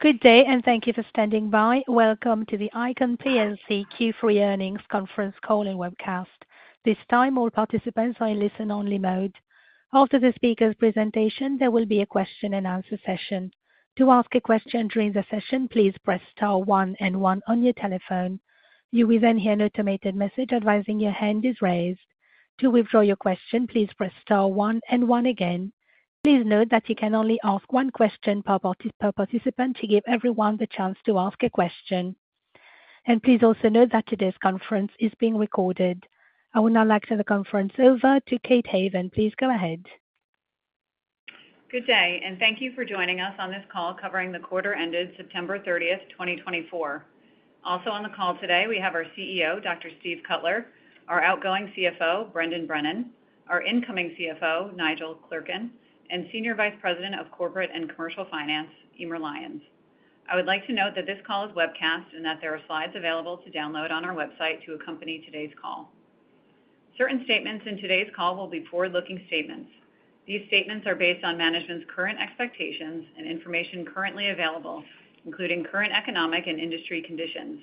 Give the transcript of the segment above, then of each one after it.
Good day, and thank you for standing by. Welcome to the ICON plc Q3 Earnings Conference Call and Webcast. This time, all participants are in listen-only mode. After the speaker's presentation, there will be a question-and-answer session. To ask a question during the session, please press star one and one on your telephone. You will then hear an automated message advising your hand is raised. To withdraw your question, please press star one and one again. Please note that you can only ask one question per participant to give everyone the chance to ask a question. And please also note that today's conference is being recorded. I would now like to turn the conference over to Kate Haven. Please go ahead. Good day, and thank you for joining us on this call covering the quarter ended September thirtieth, twenty twenty-four. Also on the call today, we have our CEO, Dr. Steve Cutler, our outgoing CFO, Brendan Brennan, our incoming CFO, Nigel Clerkin, and Senior Vice President of Corporate and Commercial Finance, Emer Lyons. I would like to note that this call is webcast and that there are slides available to download on our website to accompany today's call. Certain statements in today's call will be forward-looking statements. These statements are based on management's current expectations and information currently available, including current economic and industry conditions.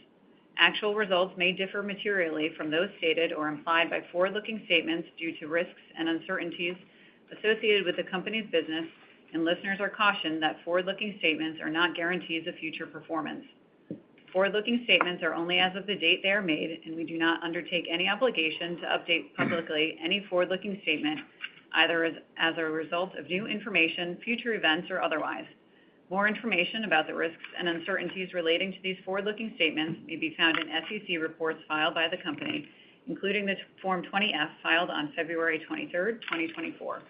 Actual results may differ materially from those stated or implied by forward-looking statements due to risks and uncertainties associated with the company's business, and listeners are cautioned that forward-looking statements are not guarantees of future performance. Forward-looking statements are only as of the date they are made, and we do not undertake any obligation to update publicly any forward-looking statement, either as a result of new information, future events, or otherwise. More information about the risks and uncertainties relating to these forward-looking statements may be found in SEC reports filed by the company, including the Form 20-F, filed on February twenty-third, 2024.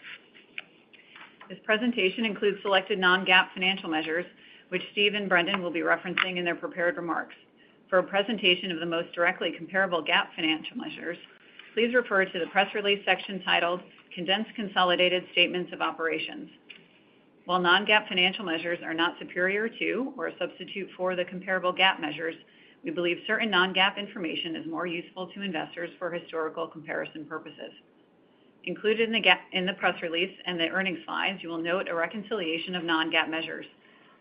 This presentation includes selected non-GAAP financial measures, which Steve and Brendan will be referencing in their prepared remarks. For a presentation of the most directly comparable GAAP financial measures, please refer to the press release section titled "Condensed Consolidated Statements of Operations." While non-GAAP financial measures are not superior to or a substitute for the comparable GAAP measures, we believe certain non-GAAP information is more useful to investors for historical comparison purposes. Included in the GAAP in the press release and the earnings slides, you will note a reconciliation of non-GAAP measures.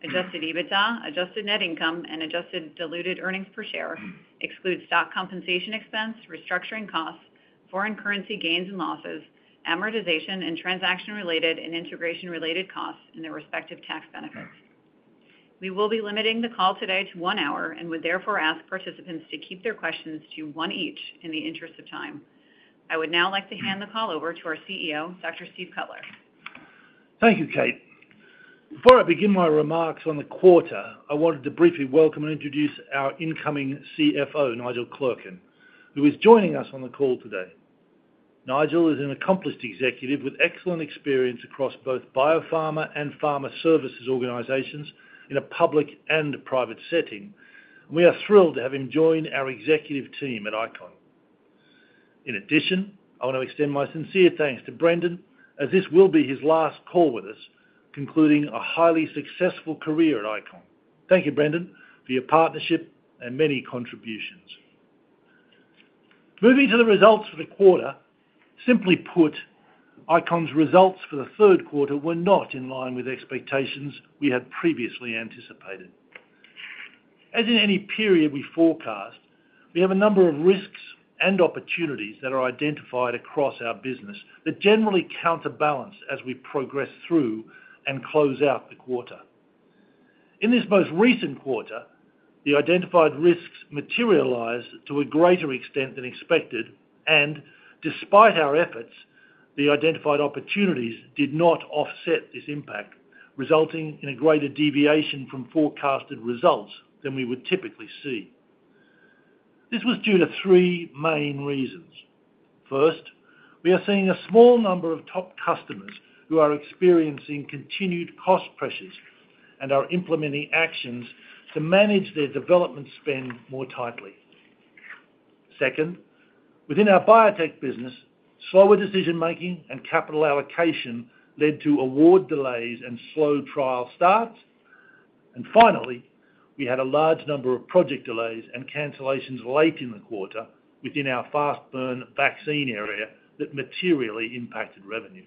Adjusted EBITDA, adjusted net income, and adjusted diluted earnings per share excludes stock compensation expense, restructuring costs, foreign currency gains and losses, amortization, and transaction-related and integration-related costs, and their respective tax benefits. We will be limiting the call today to one hour and would therefore ask participants to keep their questions to one each in the interest of time. I would now like to hand the call over to our CEO, Dr. Steve Cutler. Thank you, Kate. Before I begin my remarks on the quarter, I wanted to briefly welcome and introduce our incoming CFO, Nigel Clerkin, who is joining us on the call today. Nigel is an accomplished executive with excellent experience across both biopharma and pharma services organizations in a public and private setting. We are thrilled to have him join our executive team at ICON. In addition, I want to extend my sincere thanks to Brendan, as this will be his last call with us, concluding a highly successful career at Icon. Thank you, Brendan, for your partnership and many contributions. Moving to the results for the quarter, simply put, ICON's results for the third quarter were not in line with expectations we had previously anticipated. As in any period we forecast, we have a number of risks and opportunities that are identified across our business that generally counterbalance as we progress through and close out the quarter. In this most recent quarter, the identified risks materialized to a greater extent than expected, and despite our efforts, the identified opportunities did not offset this impact, resulting in a greater deviation from forecasted results than we would typically see. This was due to three main reasons. First, we are seeing a small number of top customers who are experiencing continued cost pressures and are implementing actions to manage their development spend more tightly. Second, within our biotech business, slower decision-making and capital allocation led to award delays and slow trial starts. And finally, we had a large number of project delays and cancellations late in the quarter within our fast-burn vaccine area that materially impacted revenue.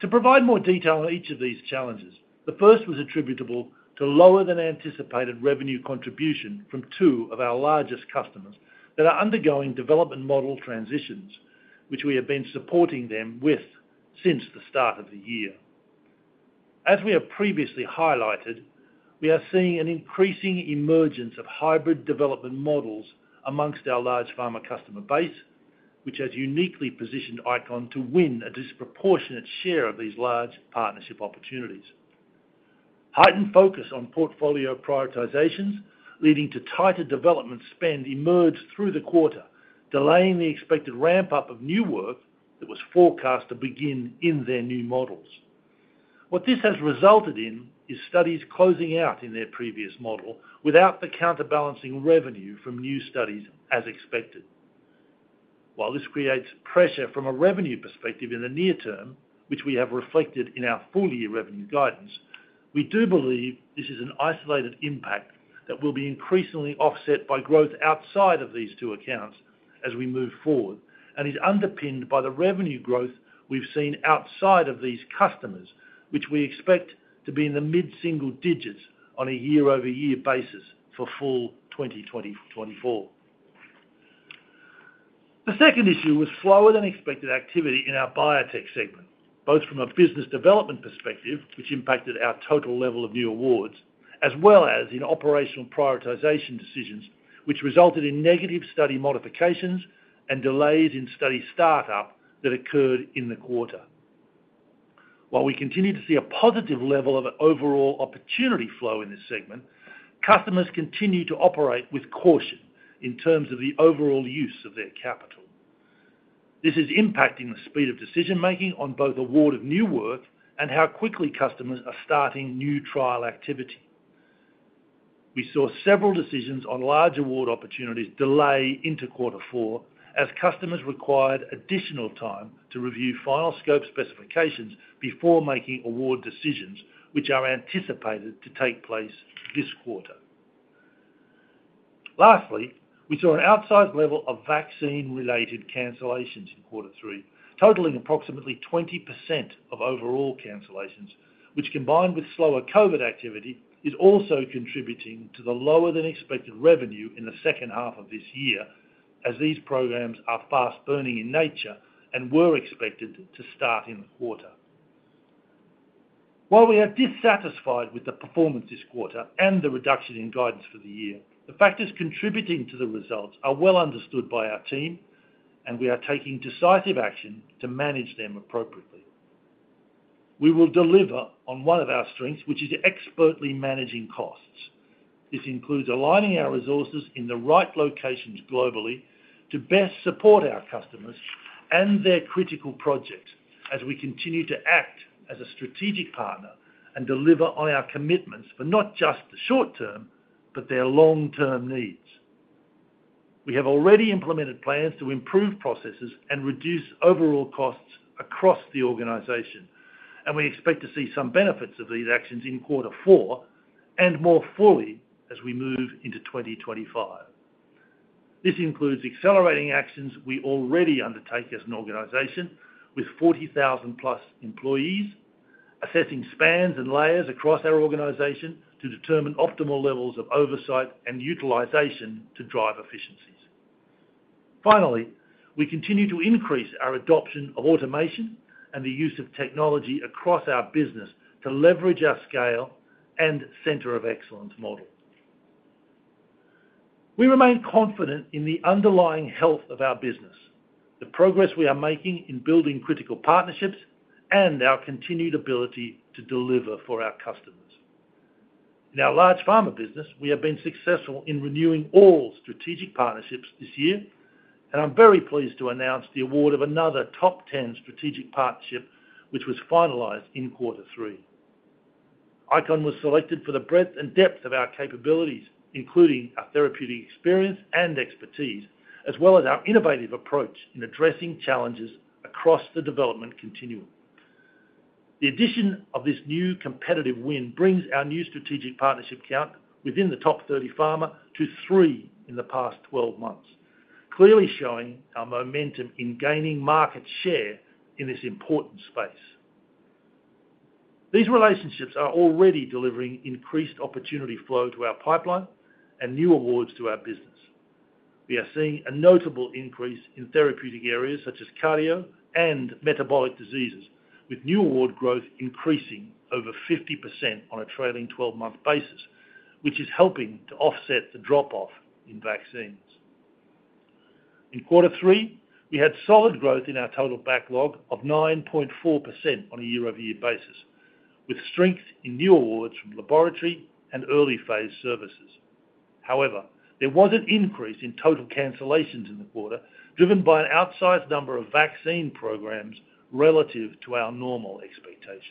To provide more detail on each of these challenges, the first was attributable to lower than anticipated revenue contribution from two of our largest customers that are undergoing development model transitions, which we have been supporting them with since the start of the year. As we have previously highlighted, we are seeing an increasing emergence of hybrid development models amongst our large pharma customer base, which has uniquely positioned ICON to win a disproportionate share of these large partnership opportunities. Heightened focus on portfolio prioritizations, leading to tighter development spend, emerged through the quarter, delaying the expected ramp-up of new work that was forecast to begin in their new models. What this has resulted in is studies closing out in their previous model without the counterbalancing revenue from new studies as expected. While this creates pressure from a revenue perspective in the near term, which we have reflected in our full-year revenue guidance, we do believe this is an isolated impact that will be increasingly offset by growth outside of these two accounts, as we move forward, and is underpinned by the revenue growth we've seen outside of these customers, which we expect to be in the mid-single digits on a year-over-year basis for full 2024. The second issue was slower than expected activity in our biotech segment, both from a business development perspective, which impacted our total level of new awards, as well as in operational prioritization decisions, which resulted in negative study modifications and delays in study startup that occurred in the quarter. While we continue to see a positive level of overall opportunity flow in this segment, customers continue to operate with caution in terms of the overall use of their capital. This is impacting the speed of decision-making on both award of new work and how quickly customers are starting new trial activity. We saw several decisions on large award opportunities delay into quarter four, as customers required additional time to review final scope specifications before making award decisions, which are anticipated to take place this quarter. Lastly, we saw an outsized level of vaccine-related cancellations in quarter three, totaling approximately 20% of overall cancellations, which, combined with slower COVID activity, is also contributing to the lower than expected revenue in the second half of this year, as these programs are fast-burning in nature and were expected to start in the quarter. While we are dissatisfied with the performance this quarter and the reduction in guidance for the year, the factors contributing to the results are well understood by our team, and we are taking decisive action to manage them appropriately. We will deliver on one of our strengths, which is expertly managing costs. This includes aligning our resources in the right locations globally to best support our customers and their critical projects, as we continue to act as a strategic partner and deliver on our commitments for not just the short term, but their long-term needs. We have already implemented plans to improve processes and reduce overall costs across the organization, and we expect to see some benefits of these actions in quarter four and more fully as we move into 2025. This includes accelerating actions we already undertake as an organization with 40,000-plus employees, assessing spans and layers across our organization to determine optimal levels of oversight and utilization to drive efficiencies. Finally, we continue to increase our adoption of automation and the use of technology across our business to leverage our scale and center of excellence model. We remain confident in the underlying health of our business, the progress we are making in building critical partnerships, and our continued ability to deliver for our customers. In our large pharma business, we have been successful in renewing all strategic partnerships this year, and I'm very pleased to announce the award of another top ten strategic partnership, which was finalized in quarter three. ICON was selected for the breadth and depth of our capabilities, including our therapeutic experience and expertise, as well as our innovative approach in addressing challenges across the development continuum. The addition of this new competitive win brings our new strategic partnership count within the top thirty pharma to three in the past twelve months, clearly showing our momentum in gaining market share in this important space. These relationships are already delivering increased opportunity flow to our pipeline and new awards to our business. We are seeing a notable increase in therapeutic areas such as cardio and metabolic diseases, with new award growth increasing over 50% on a trailing twelve-month basis, which is helping to offset the drop-off in vaccines. In quarter three, we had solid growth in our total backlog of 9.4% on a year-over-year basis, with strength in new awards from laboratory and early-phase services. However, there was an increase in total cancellations in the quarter, driven by an outsized number of vaccine programs relative to our normal expectations.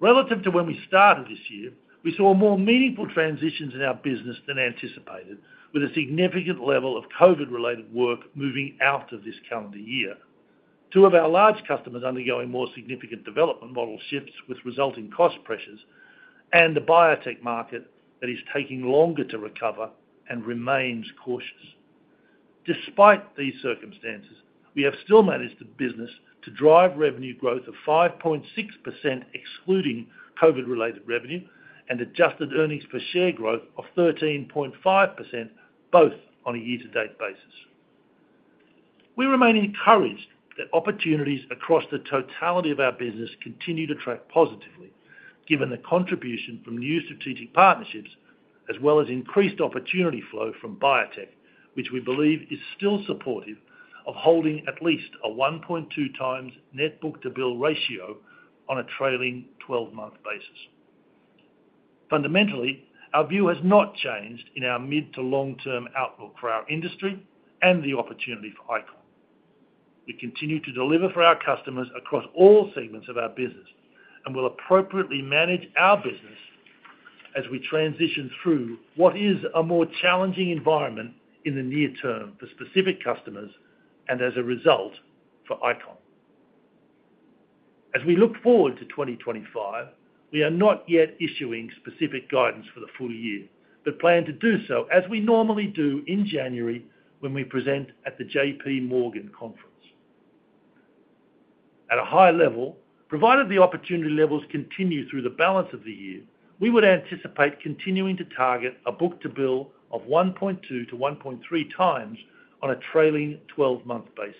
Relative to when we started this year, we saw more meaningful transitions in our business than anticipated, with a significant level of COVID-related work moving out of this calendar year. Two of our large customers undergoing more significant development model shifts with resulting cost pressures and the biotech market that is taking longer to recover and remains cautious. Despite these circumstances, we have still managed the business to drive revenue growth of 5.6%, excluding COVID-related revenue, and adjusted earnings per share growth of 13.5%, both on a year-to-date basis. We remain encouraged that opportunities across the totality of our business continue to track positively, given the contribution from new strategic partnerships, as well as increased opportunity flow from biotech, which we believe is still supportive of holding at least a one point two times net book-to-bill ratio on a trailing twelve-month basis. Fundamentally, our view has not changed in our mid to long-term outlook for our industry and the opportunity for ICON. We continue to deliver for our customers across all segments of our business and will appropriately manage our business as we transition through what is a more challenging environment in the near term for specific customers and as a result, for ICON. As we look forward to 2025, we are not yet issuing specific guidance for the full year, but plan to do so as we normally do in January, when we present at the J.P. Morgan conference. At a high level, provided the opportunity levels continue through the balance of the year, we would anticipate continuing to target a book-to-bill of 1.2-1.3 times on a trailing twelve-month basis.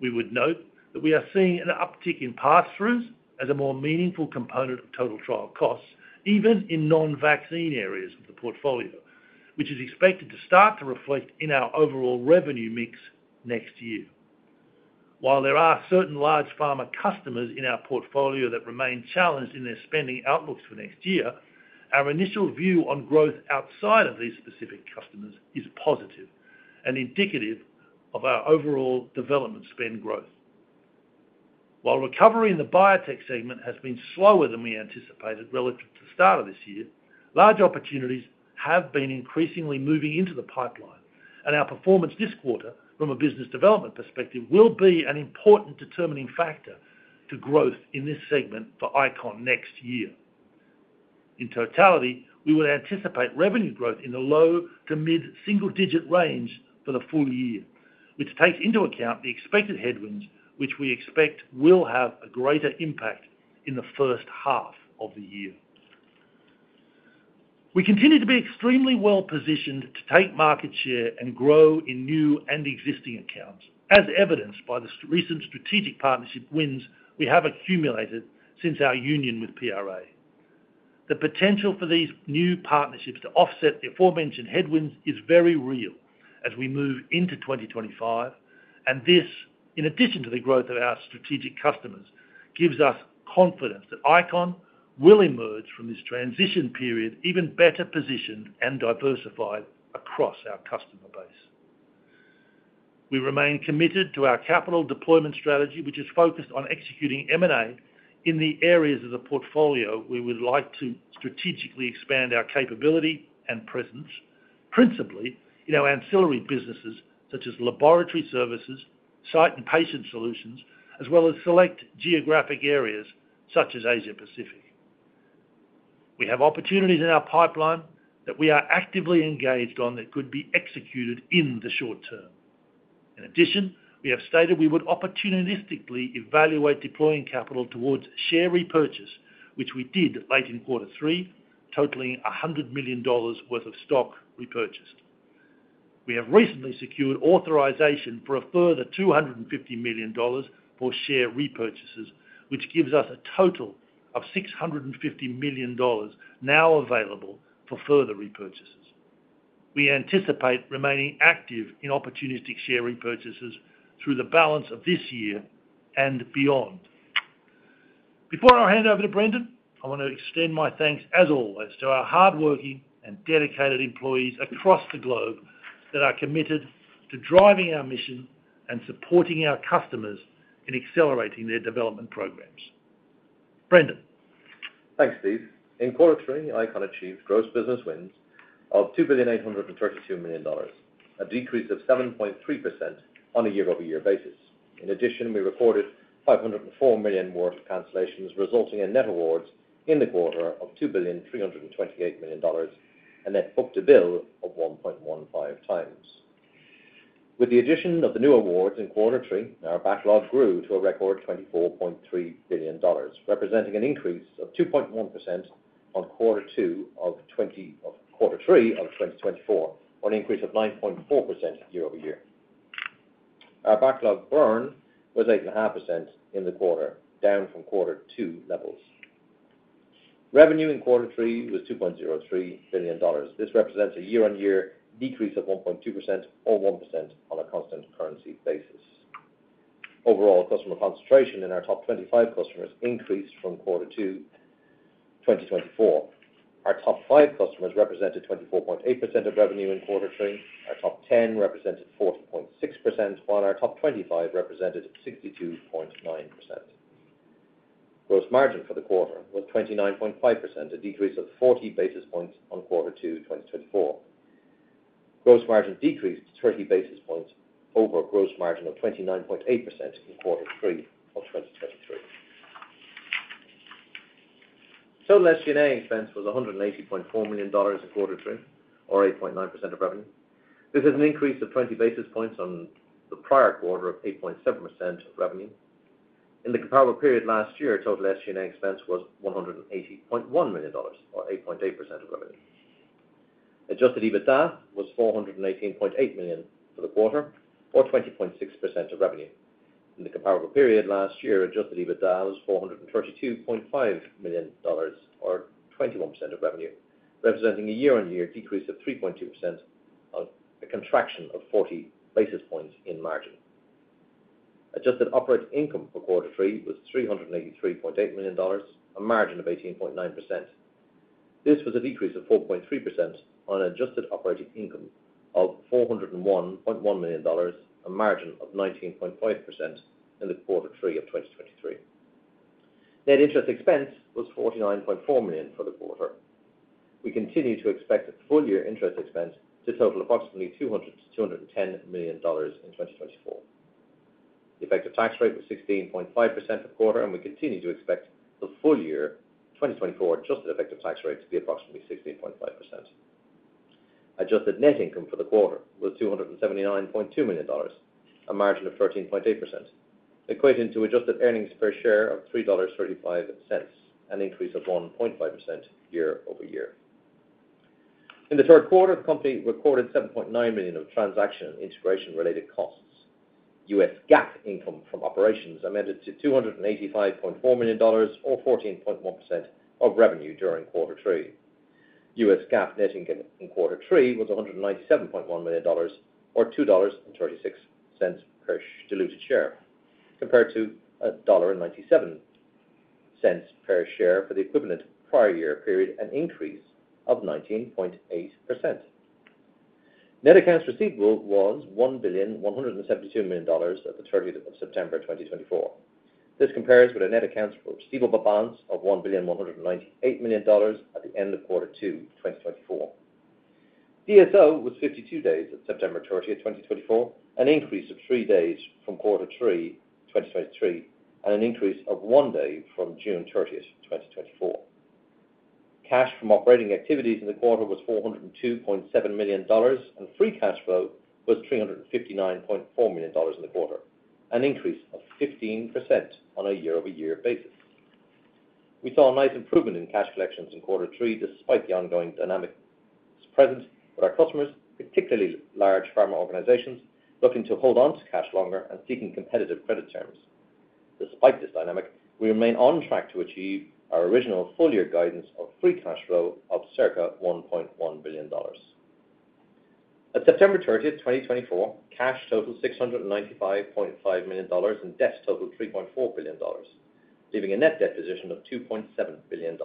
We would note that we are seeing an uptick in pass-throughs as a more meaningful component of total trial costs, even in non-vaccine areas of the portfolio, which is expected to start to reflect in our overall revenue mix next year. While there are certain large pharma customers in our portfolio that remain challenged in their spending outlooks for next year, our initial view on growth outside of these specific customers is positive and indicative of our overall development spend growth. While recovery in the biotech segment has been slower than we anticipated relative to the start of this year, large opportunities have been increasingly moving into the pipeline, and our performance this quarter from a business development perspective will be an important determining factor to growth in this segment for ICON next year. In totality, we would anticipate revenue growth in the low- to mid-single-digit range for the full year, which takes into account the expected headwinds, which we expect will have a greater impact in the first half of the year. We continue to be extremely well-positioned to take market share and grow in new and existing accounts, as evidenced by the recent strategic partnership wins we have accumulated since our union with PRA. The potential for these new partnerships to offset the aforementioned headwinds is very real as we move into 2025, and this, in addition to the growth of our strategic customers, gives us confidence that ICON will emerge from this transition period even better positioned and diversified across our customer base. We remain committed to our capital deployment strategy, which is focused on executing M&A in the areas of the portfolio we would like to strategically expand our capability and presence, principally in our ancillary businesses such as laboratory services, site and patient solutions, as well as select geographic areas such as Asia Pacific. We have opportunities in our pipeline that we are actively engaged on that could be executed in the short term. In addition, we have stated we would opportunistically evaluate deploying capital towards share repurchase, which we did late in quarter three, totaling $100 million worth of stock repurchased. We have recently secured authorization for a further $250 million for share repurchases, which gives us a total of $650 million now available for further repurchases. We anticipate remaining active in opportunistic share repurchases through the balance of this year and beyond. Before I hand over to Brendan, I want to extend my thanks, as always, to our hardworking and dedicated employees across the globe that are committed to driving our mission and supporting our customers in accelerating their development programs. Brendan? Thanks, Steve. In quarter three, ICON achieved gross business wins of $2.832 billion, a decrease of 7.3% on a year-over-year basis. In addition, we recorded $504 million worth of cancellations, resulting in net awards in the quarter of $2.328 billion, and a net book-to-bill of 1.15 times. With the addition of the new awards in quarter three, our backlog grew to a record $24.3 billion, representing an increase of 2.1% on quarter two of 2024, or an increase of 9.4% year over year. Our backlog burn was 8.5% in the quarter, down from quarter two levels. Revenue in quarter three was $2.03 billion. This represents a year-on-year decrease of 1.2% or 1% on a constant currency basis. Overall, customer concentration in our top 25 customers increased from quarter 2 2024. Our top 5 customers represented 24.8% of revenue in quarter 3. Our top 10 represented 40.6%, while our top 25 represented 62.9%. Gross margin for the quarter was 29.5%, a decrease of 40 basis points on quarter 2 2024. Gross margin decreased to 30 basis points over a gross margin of 29.8% in quarter 3 of 2023. Total SG&A expense was $180.4 million in quarter 3, or 8.9% of revenue. This is an increase of 20 basis points on the prior quarter of 8.7% of revenue. In the comparable period last year, total SG&A expense was $180.1 million, or 8.8% of revenue. Adjusted EBITDA was $418.8 million for the quarter, or 20.6% of revenue. In the comparable period last year, adjusted EBITDA was $432.5 million, or 21% of revenue, representing a year-on-year decrease of 3.2%, of a contraction of 40 basis points in margin. Adjusted operating income for quarter three was $383.8 million, a margin of 18.9%. This was a decrease of 4.3% on an adjusted operating income of $401.1 million, a margin of 19.5% in the quarter three of 2023. Net interest expense was $49.4 million for the quarter. We continue to expect the full-year interest expense to total approximately $200-$210 million in 2024. The effective tax rate was 16.5% a quarter, and we continue to expect the full year 2024 adjusted effective tax rate to be approximately 16.5%. Adjusted net income for the quarter was $279.2 million, a margin of 13.8%, equating to adjusted earnings per share of $3.35, an increase of 1.5% year-over-year. In the third quarter, the company recorded $7.9 million of transaction and integration-related costs. U.S. GAAP income from operations amounted to $285.4 million, or 14.1% of revenue during quarter three. U.S. GAAP net income in quarter three was $197.1 million, or $2.36 per diluted share, compared to $1.97 per share for the equivalent prior year period, an increase of 19.8%. Net accounts receivable was $1.172 billion at the 30th of September 2024. This compares with a net accounts receivable balance of $1.198 billion at the end of quarter two, 2024. DSO was 52 days at September 30, 2024, an increase of three days from quarter three, 2023, and an increase of one day from June 30, 2024. Cash from operating activities in the quarter was $402.7 million, and free cash flow was $359.4 million in the quarter, an increase of 15% on a year-over-year basis. We saw a nice improvement in cash collections in quarter three, despite the ongoing dynamics present with our customers, particularly large pharma organizations looking to hold on to cash longer and seeking competitive credit terms. Despite this dynamic, we remain on track to achieve our original full-year guidance of free cash flow of circa $1.1 billion. At September 30, 2024, cash totaled $695.5 million, and debt totaled $3.4 billion, leaving a net debt position of $2.7 billion.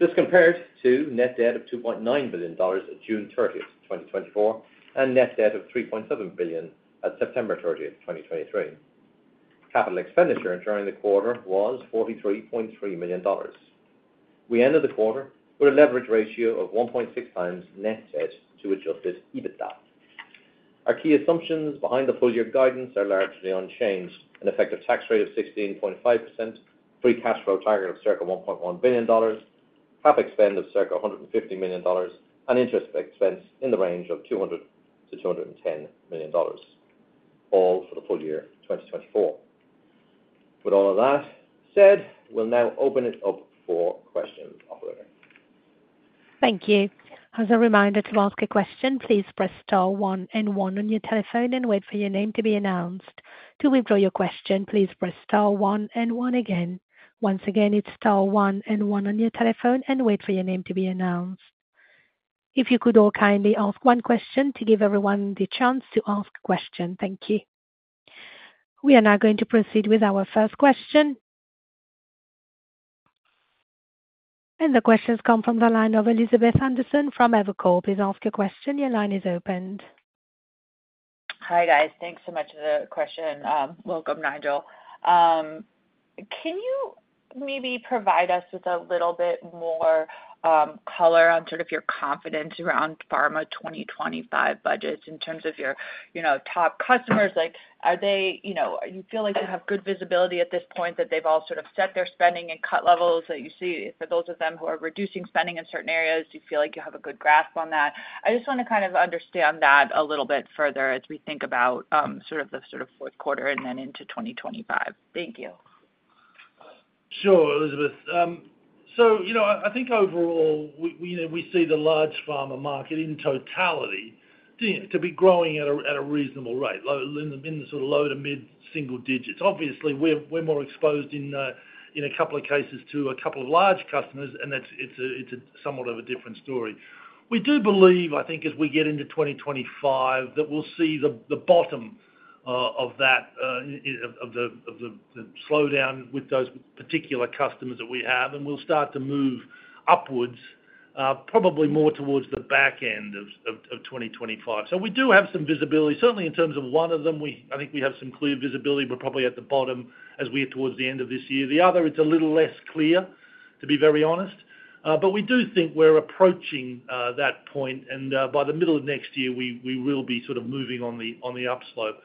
This compares to net debt of $2.9 billion at June 30th, 2024, and net debt of $3.7 billion at September 30th, 2023. Capital expenditure during the quarter was $43.3 million. We ended the quarter with a leverage ratio of 1.6 times net debt to adjusted EBITDA. Our key assumptions behind the full year guidance are largely unchanged: an effective tax rate of 16.5%, free cash flow target of circa $1.1 billion, cap spend of circa $150 million, and interest expense in the range of $200 million-$210 million, all for the full year 2024. With all of that said, we'll now open it up for questions. Operator? Thank you. As a reminder, to ask a question, please press star one and one on your telephone and wait for your name to be announced. To withdraw your question, please press star one and one again. Once again, it's star one and one on your telephone and wait for your name to be announced. If you could all kindly ask one question to give everyone the chance to ask a question. Thank you. We are now going to proceed with our first question. And the question's come from the line of Elizabeth Anderson from Evercore. Please ask your question. Your line is open. Hi, guys. Thanks so much for the question. Welcome, Nigel. Can you maybe provide us with a little bit more, color on sort of your confidence around pharma 2025 budgets in terms of your, you know, top customers? Like, are they, you know, you feel like you have good visibility at this point, that they've all sort of set their spending and cut levels that you see for those of them who are reducing spending in certain areas, do you feel like you have a good grasp on that? I just want to kind of understand that a little bit further as we think about, sort of the fourth quarter and then into 2025. Thank you. Sure, Elizabeth. So you know, I think overall, we see the large pharma market in totality to be growing at a reasonable rate in the mid, sort of low to mid single digits. Obviously, we're more exposed in a couple of cases to a couple of large customers, and that's a somewhat of a different story. We do believe, I think, as we get into twenty twenty-five, that we'll see the bottom of that of the slowdown with those particular customers that we have, and we'll start to move upwards, probably more towards the back end of twenty twenty-five. So we do have some visibility. Certainly in terms of one of them, I think we have some clear visibility. We're probably at the bottom as we are towards the end of this year. The other, it's a little less clear, to be very honest. But we do think we're approaching that point, and by the middle of next year, we will be sort of moving on the upslope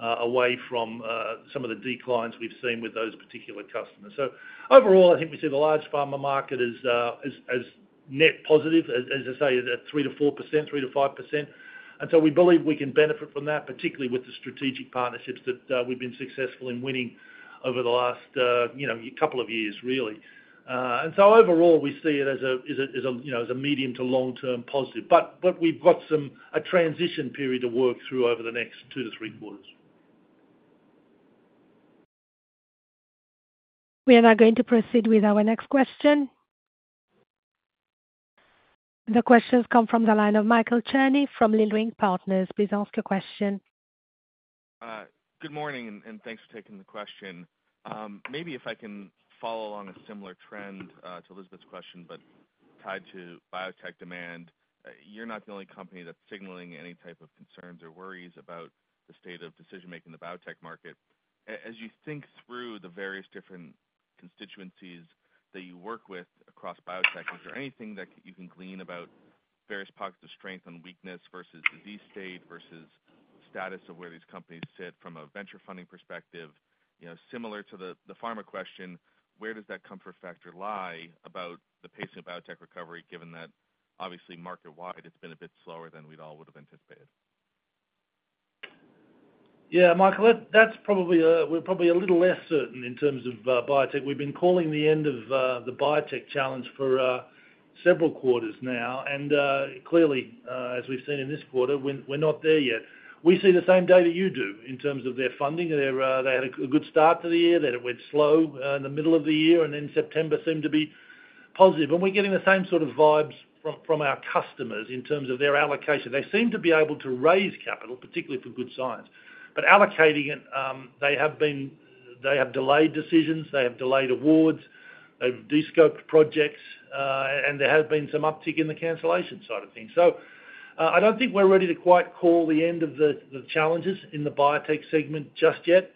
away from some of the declines we've seen with those particular customers. So overall, I think we see the large pharma market as net positive, as I say, at 3%-4%, 3%-5%. And so we believe we can benefit from that, particularly with the strategic partnerships that we've been successful in winning over the last you know couple of years, really. And so overall, we see it as a you know as a medium to long-term positive. But we've got a transition period to work through over the next two to three quarters. We are now going to proceed with our next question. The questions come from the line of Michael Cherney from Leerink Partners. Please ask your question. Good morning, and thanks for taking the question. Maybe if I can follow along a similar trend to Elizabeth's question, but tied to biotech demand, you're not the only company that's signaling any type of concerns or worries about the state of decision-making in the biotech market. As you think through the various different constituencies that you work with across biotech, is there anything that you can glean about various pockets of strength and weakness versus disease state, versus status of where these companies sit from a venture funding perspective? You know, similar to the pharma question, where does that comfort factor lie about the pace of biotech recovery, given that obviously, market-wide, it's been a bit slower than we'd all would have anticipated? Yeah, Michael, that's probably. We're probably a little less certain in terms of biotech. We've been calling the end of the biotech challenge for several quarters now, and clearly, as we've seen in this quarter, we're not there yet. We see the same data you do in terms of their funding. They had a good start to the year, then it went slow in the middle of the year, and then September seemed to be positive. And we're getting the same sort of vibes from our customers in terms of their allocation. They seem to be able to raise capital, particularly for good science, but allocating it, they have delayed decisions, they have delayed awards, they've de-scoped projects, and there has been some uptick in the cancellation side of things. So, I don't think we're ready to quite call the end of the challenges in the biotech segment just yet.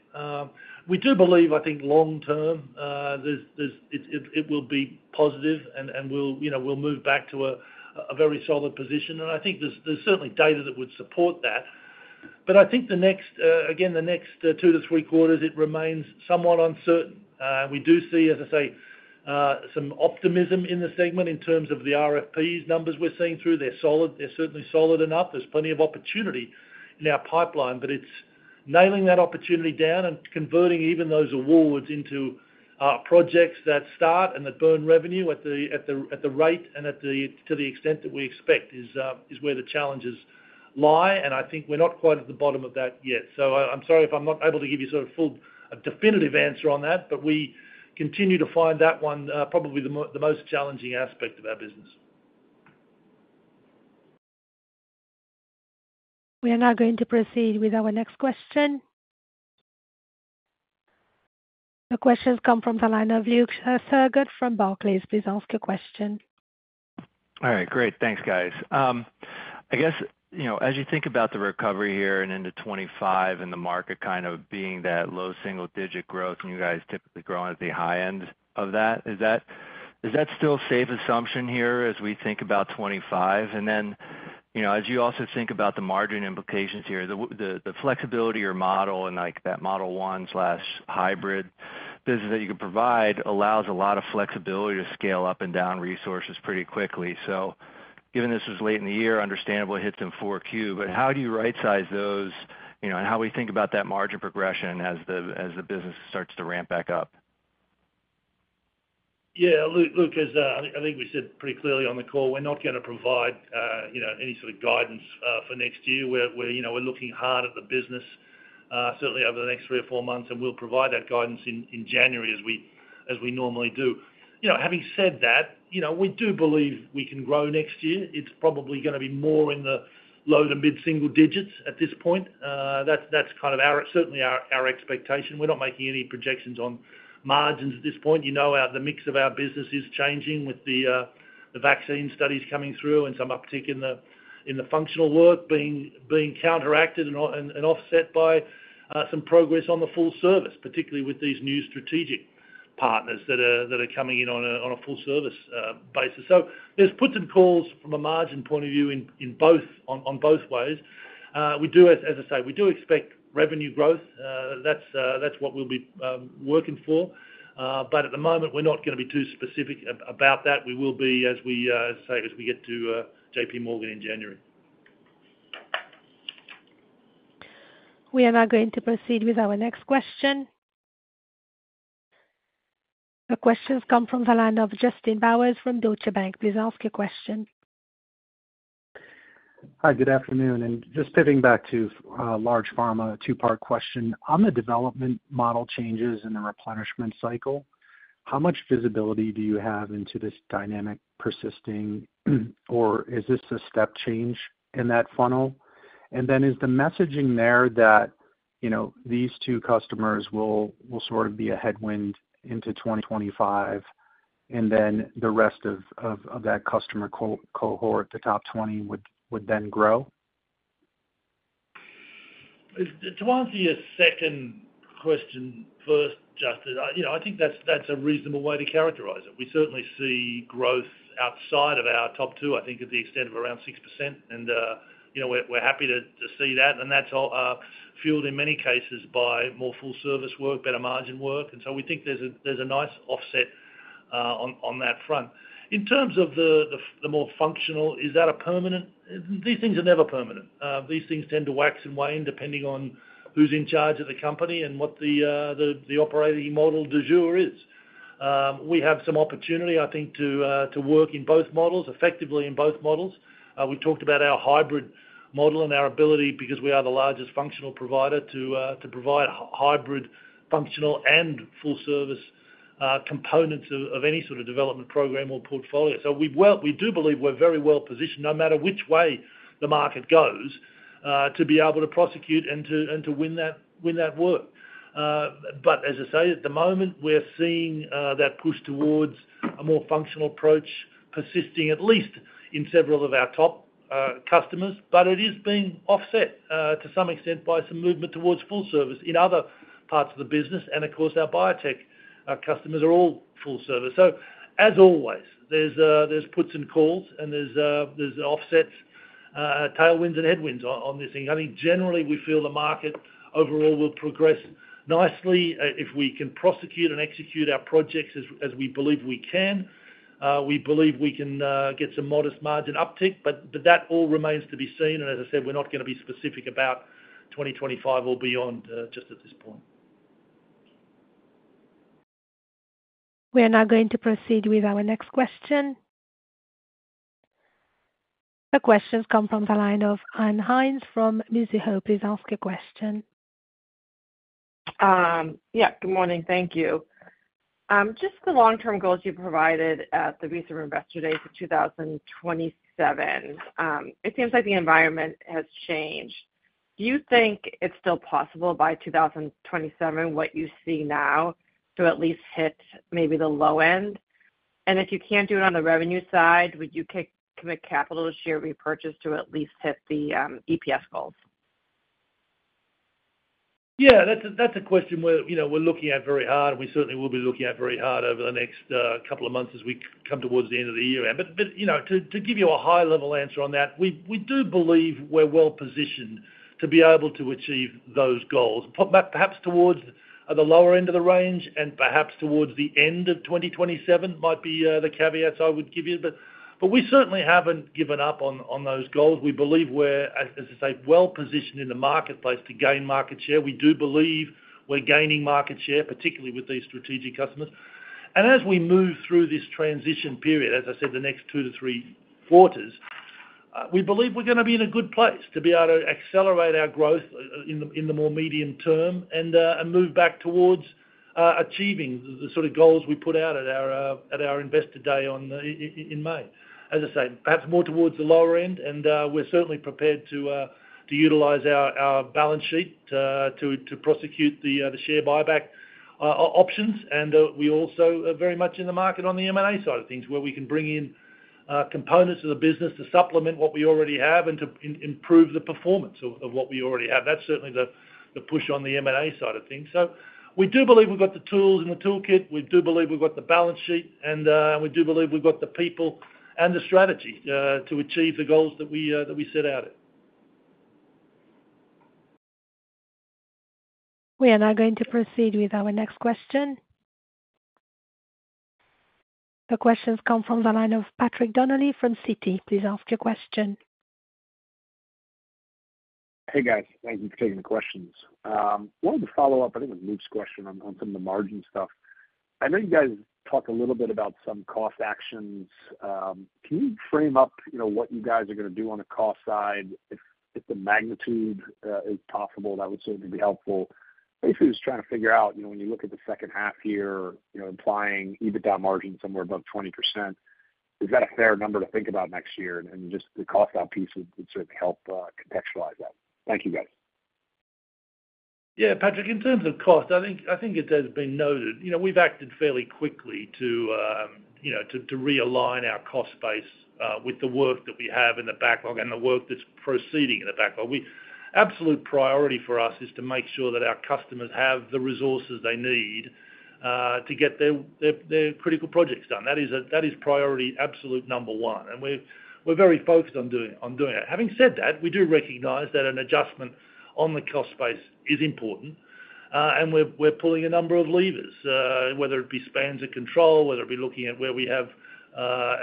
We do believe, I think, long term, it will be positive and we'll, you know, we'll move back to a very solid position. And I think there's certainly data that would support that. But I think the next two to three quarters, it remains somewhat uncertain. We do see, as I say, some optimism in the segment in terms of the RFPs numbers we're seeing through. They're solid. They're certainly solid enough. There's plenty of opportunity in our pipeline, but it's nailing that opportunity down and converting even those awards into projects that start and that burn revenue at the rate and to the extent that we expect is where the challenges lie, and I think we're not quite at the bottom of that yet. So I'm sorry if I'm not able to give you sort of full a definitive answer on that, but we continue to find that one probably the most challenging aspect of our business. We are now going to proceed with our next question. The question has come from the line of Luke Sergott from Barclays. Please ask your question. All right, great, thanks, guys. I guess, you know, as you think about the recovery here and into 2025 and the market kind of being that low single digit growth, and you guys typically grow at the high end of that, is that, is that still a safe assumption here as we think about 2025? And then, you know, as you also think about the margin implications here, the flexible model, and like that model or hybrid business that you can provide allows a lot of flexibility to scale up and down resources pretty quickly. So given this is late in the year, understandably, it hits in Q4, but how do you rightsize those, you know, and how we think about that margin progression as the, as the business starts to ramp back up? Yeah, Luke, as I think we said pretty clearly on the call, we're not gonna provide, you know, any sort of guidance for next year. We're, you know, we're looking hard at the business, certainly over the next three or four months, and we'll provide that guidance in January as we normally do. You know, having said that, you know, we do believe we can grow next year. It's probably gonna be more in the low to mid single digits at this point. That's kind of our, certainly our expectation. We're not making any projections on margins at this point. You know, our, the mix of our business is changing with the, the vaccine studies coming through and some uptick in the, in the functional work being counteracted and offset by, some progress on the full service, particularly with these new strategic partners that are coming in on a full service basis. So there's puts and calls from a margin point of view in both, on both ways. We do as I say, we do expect revenue growth. That's what we'll be working for. But at the moment, we're not gonna be too specific about that. We will be, as we say, as we get to, J.P. Morgan in January. We are now going to proceed with our next question. The question's come from the line of Justin Bowers from Deutsche Bank. Please ask your question. Hi, good afternoon, and just pivoting back to large pharma, a two-part question. On the development model changes in the replenishment cycle, how much visibility do you have into this dynamic persisting, or is this a step change in that funnel? And then, is the messaging there that, you know, these two customers will sort of be a headwind into twenty twenty-five, and then the rest of that customer cohort, the top 20, would then grow? To answer your second question first, Justin, I, you know, I think that's a reasonable way to characterize it. We certainly see growth outside of our top two, I think, to the extent of around 6%, and you know, we're happy to see that, and that's all fueled in many cases by more full service work, better margin work, and so we think there's a nice offset on that front. In terms of the more functional, is that a permanent? These things are never permanent. These things tend to wax and wane depending on who's in charge of the company and what the operating model du jour is. We have some opportunity, I think, to work in both models, effectively in both models. We talked about our hybrid model and our ability, because we are the largest functional provider, to provide hybrid, functional, and full service components of any sort of development program or portfolio. So we do believe we're very well positioned, no matter which way the market goes, to be able to prosecute and to win that work. But as I say, at the moment, we're seeing that push towards a more functional approach persisting, at least in several of our top customers, but it is being offset to some extent by some movement towards full service in other parts of the business. Of course, our biotech customers are all full service. So as always, there's puts and calls, and there's offsets, tailwinds and headwinds on this thing. I think generally, we feel the market overall will progress nicely if we can prosecute and execute our projects as we believe we can. We believe we can get some modest margin uptick, but that all remains to be seen. And as I said, we're not going to be specific about 2025 or beyond just at this point. We are now going to proceed with our next question. The question comes from the line of Ann Hynes from Mizuho. Please ask your question. Yeah, good morning. Thank you. Just the long-term goals you provided at the recent Investor Day for 2027, it seems like the environment has changed. Do you think it's still possible by 2027, what you see now, to at least hit maybe the low end? And if you can't do it on the revenue side, would you commit capital to share repurchase to at least hit the EPS goals? Yeah, that's a question we're, you know, we're looking at very hard, and we certainly will be looking at very hard over the next couple of months as we come towards the end of the year. But you know, to give you a high-level answer on that, we do believe we're well positioned to be able to achieve those goals. Put back perhaps towards the lower end of the range and perhaps towards the end of twenty twenty-seven might be the caveat I would give you. But we certainly haven't given up on those goals. We believe we're, as I say, well positioned in the marketplace to gain market share. We do believe we're gaining market share, particularly with these strategic customers. And as we move through this transition period, as I said, the next two to three quarters, we believe we're gonna be in a good place to be able to accelerate our growth in the more medium term, and move back towards achieving the sort of goals we put out at our Investor Day in May. As I say, perhaps more towards the lower end, and we're certainly prepared to utilize our balance sheet to prosecute the share buyback options. And we also are very much in the market on the M&A side of things, where we can bring in components of the business to supplement what we already have and to improve the performance of what we already have. That's certainly the push on the M&A side of things. So we do believe we've got the tools in the toolkit. We do believe we've got the balance sheet, and we do believe we've got the people and the strategy to achieve the goals that we set out. We are now going to proceed with our next question. The question's come from the line of Patrick Donnelly from Citi. Please ask your question. Hey, guys. Thank you for taking the questions. Wanted to follow up, I think, with Luke's question on some of the margin stuff. I know you guys talked a little bit about some cost actions. Can you frame up, you know, what you guys are gonna do on the cost side? If the magnitude is possible, that would certainly be helpful. Basically, just trying to figure out, you know, when you look at the second half here, you know, implying EBITDA margin somewhere above 20%, is that a fair number to think about next year? And just the cost-out piece would certainly help contextualize that. Thank you, guys. Yeah, Patrick, in terms of cost, I think, I think it has been noted, you know, we've acted fairly quickly to, you know, to realign our cost base with the work that we have in the backlog and the work that's proceeding in the backlog. Absolute priority for us is to make sure that our customers have the resources they need to get their critical projects done. That is, that is priority absolute number one, and we've, we're very focused on doing it. Having said that, we do recognize that an adjustment on the cost base is important, and we're pulling a number of levers, whether it be spans of control, whether it be looking at where we have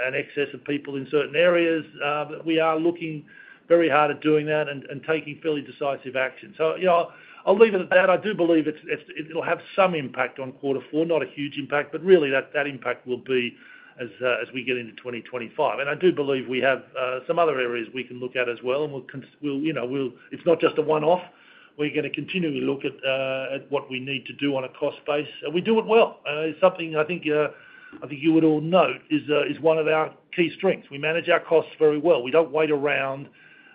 an excess of people in certain areas, but we are looking very hard at doing that and taking fairly decisive action. So, you know, I'll leave it at that. I do believe it'll have some impact on quarter four, not a huge impact, but really, that impact will be as we get into twenty twenty-five. And I do believe we have some other areas we can look at as well, and we'll, you know, we'll. It's not just a one-off. We're gonna continually look at what we need to do on a cost base, and we do it well. It's something I think you would all note is one of our key strengths. We manage our costs very well. We don't wait around,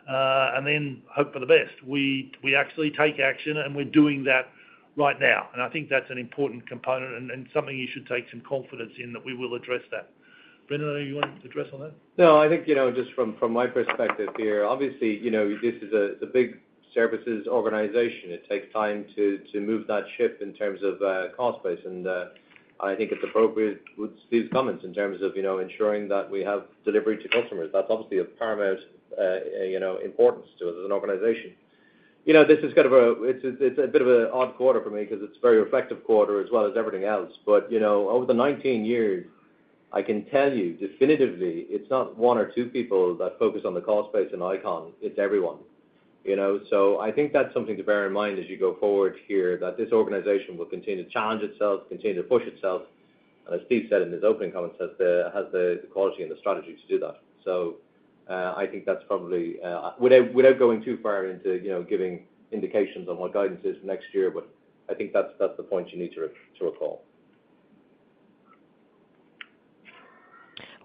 and then hope for the best. We actually take action, and we're doing that right now. And I think that's an important component and something you should take some confidence in, that we will address that. Brendan, you want to address on that? No, I think, you know, just from my perspective here, obviously, you know, this is a, it's a big services organization. It takes time to move that ship in terms of cost base, and I think it's appropriate with Steve's comments in terms of, you know, ensuring that we have delivery to customers. That's obviously of paramount, you know, importance to us as an organization. You know, this is kind of a, it's a, it's a bit of an odd quarter for me because it's a very effective quarter as well as everything else. But, you know, over the nineteen years, I can tell you definitively, it's not one or two people that focus on the cost base in ICON, it's everyone. You know, so I think that's something to bear in mind as you go forward here, that this organization will continue to challenge itself, continue to push itself, and as Steve said in his opening comments, that it has the quality and the strategy to do that. So, I think that's probably, without going too far into, you know, giving indications on what guidance is next year, but I think that's the point you need to recall.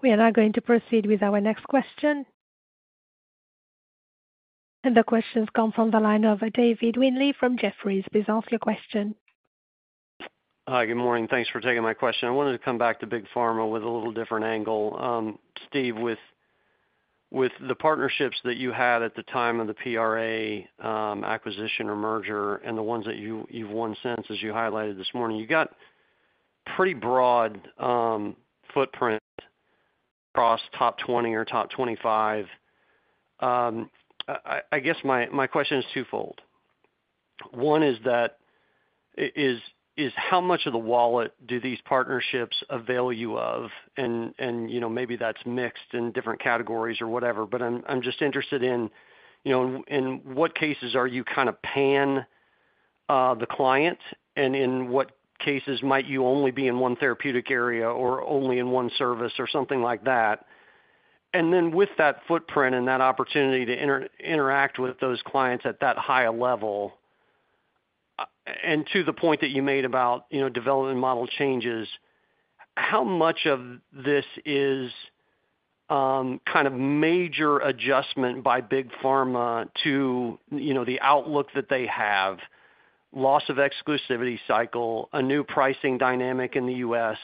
We are now going to proceed with our next question. And the question's come from the line of David Windley from Jefferies. Please ask your question. Hi, good morning. Thanks for taking my question. I wanted to come back to big pharma with a little different angle. Steve, with, with the partnerships that you had at the time of the PRA acquisition or merger and the ones that you, you've won since, as you highlighted this morning, you've got pretty broad footprint across top twenty or top twenty-five. I, I guess my, my question is twofold. One is that, is, is how much of the wallet do these partnerships avail you of? And, and, you know, maybe that's mixed in different categories or whatever, but I'm, I'm just interested in, you know, in what cases are you kind of penetrating the client, and in what cases might you only be in one therapeutic area or only in one service or something like that. And then with that footprint and that opportunity to interact with those clients at that higher level, and to the point that you made about, you know, development model changes, how much of this is, kind of major adjustment by big pharma to, you know, the outlook that they have, loss of exclusivity cycle, a new pricing dynamic in the U.S.,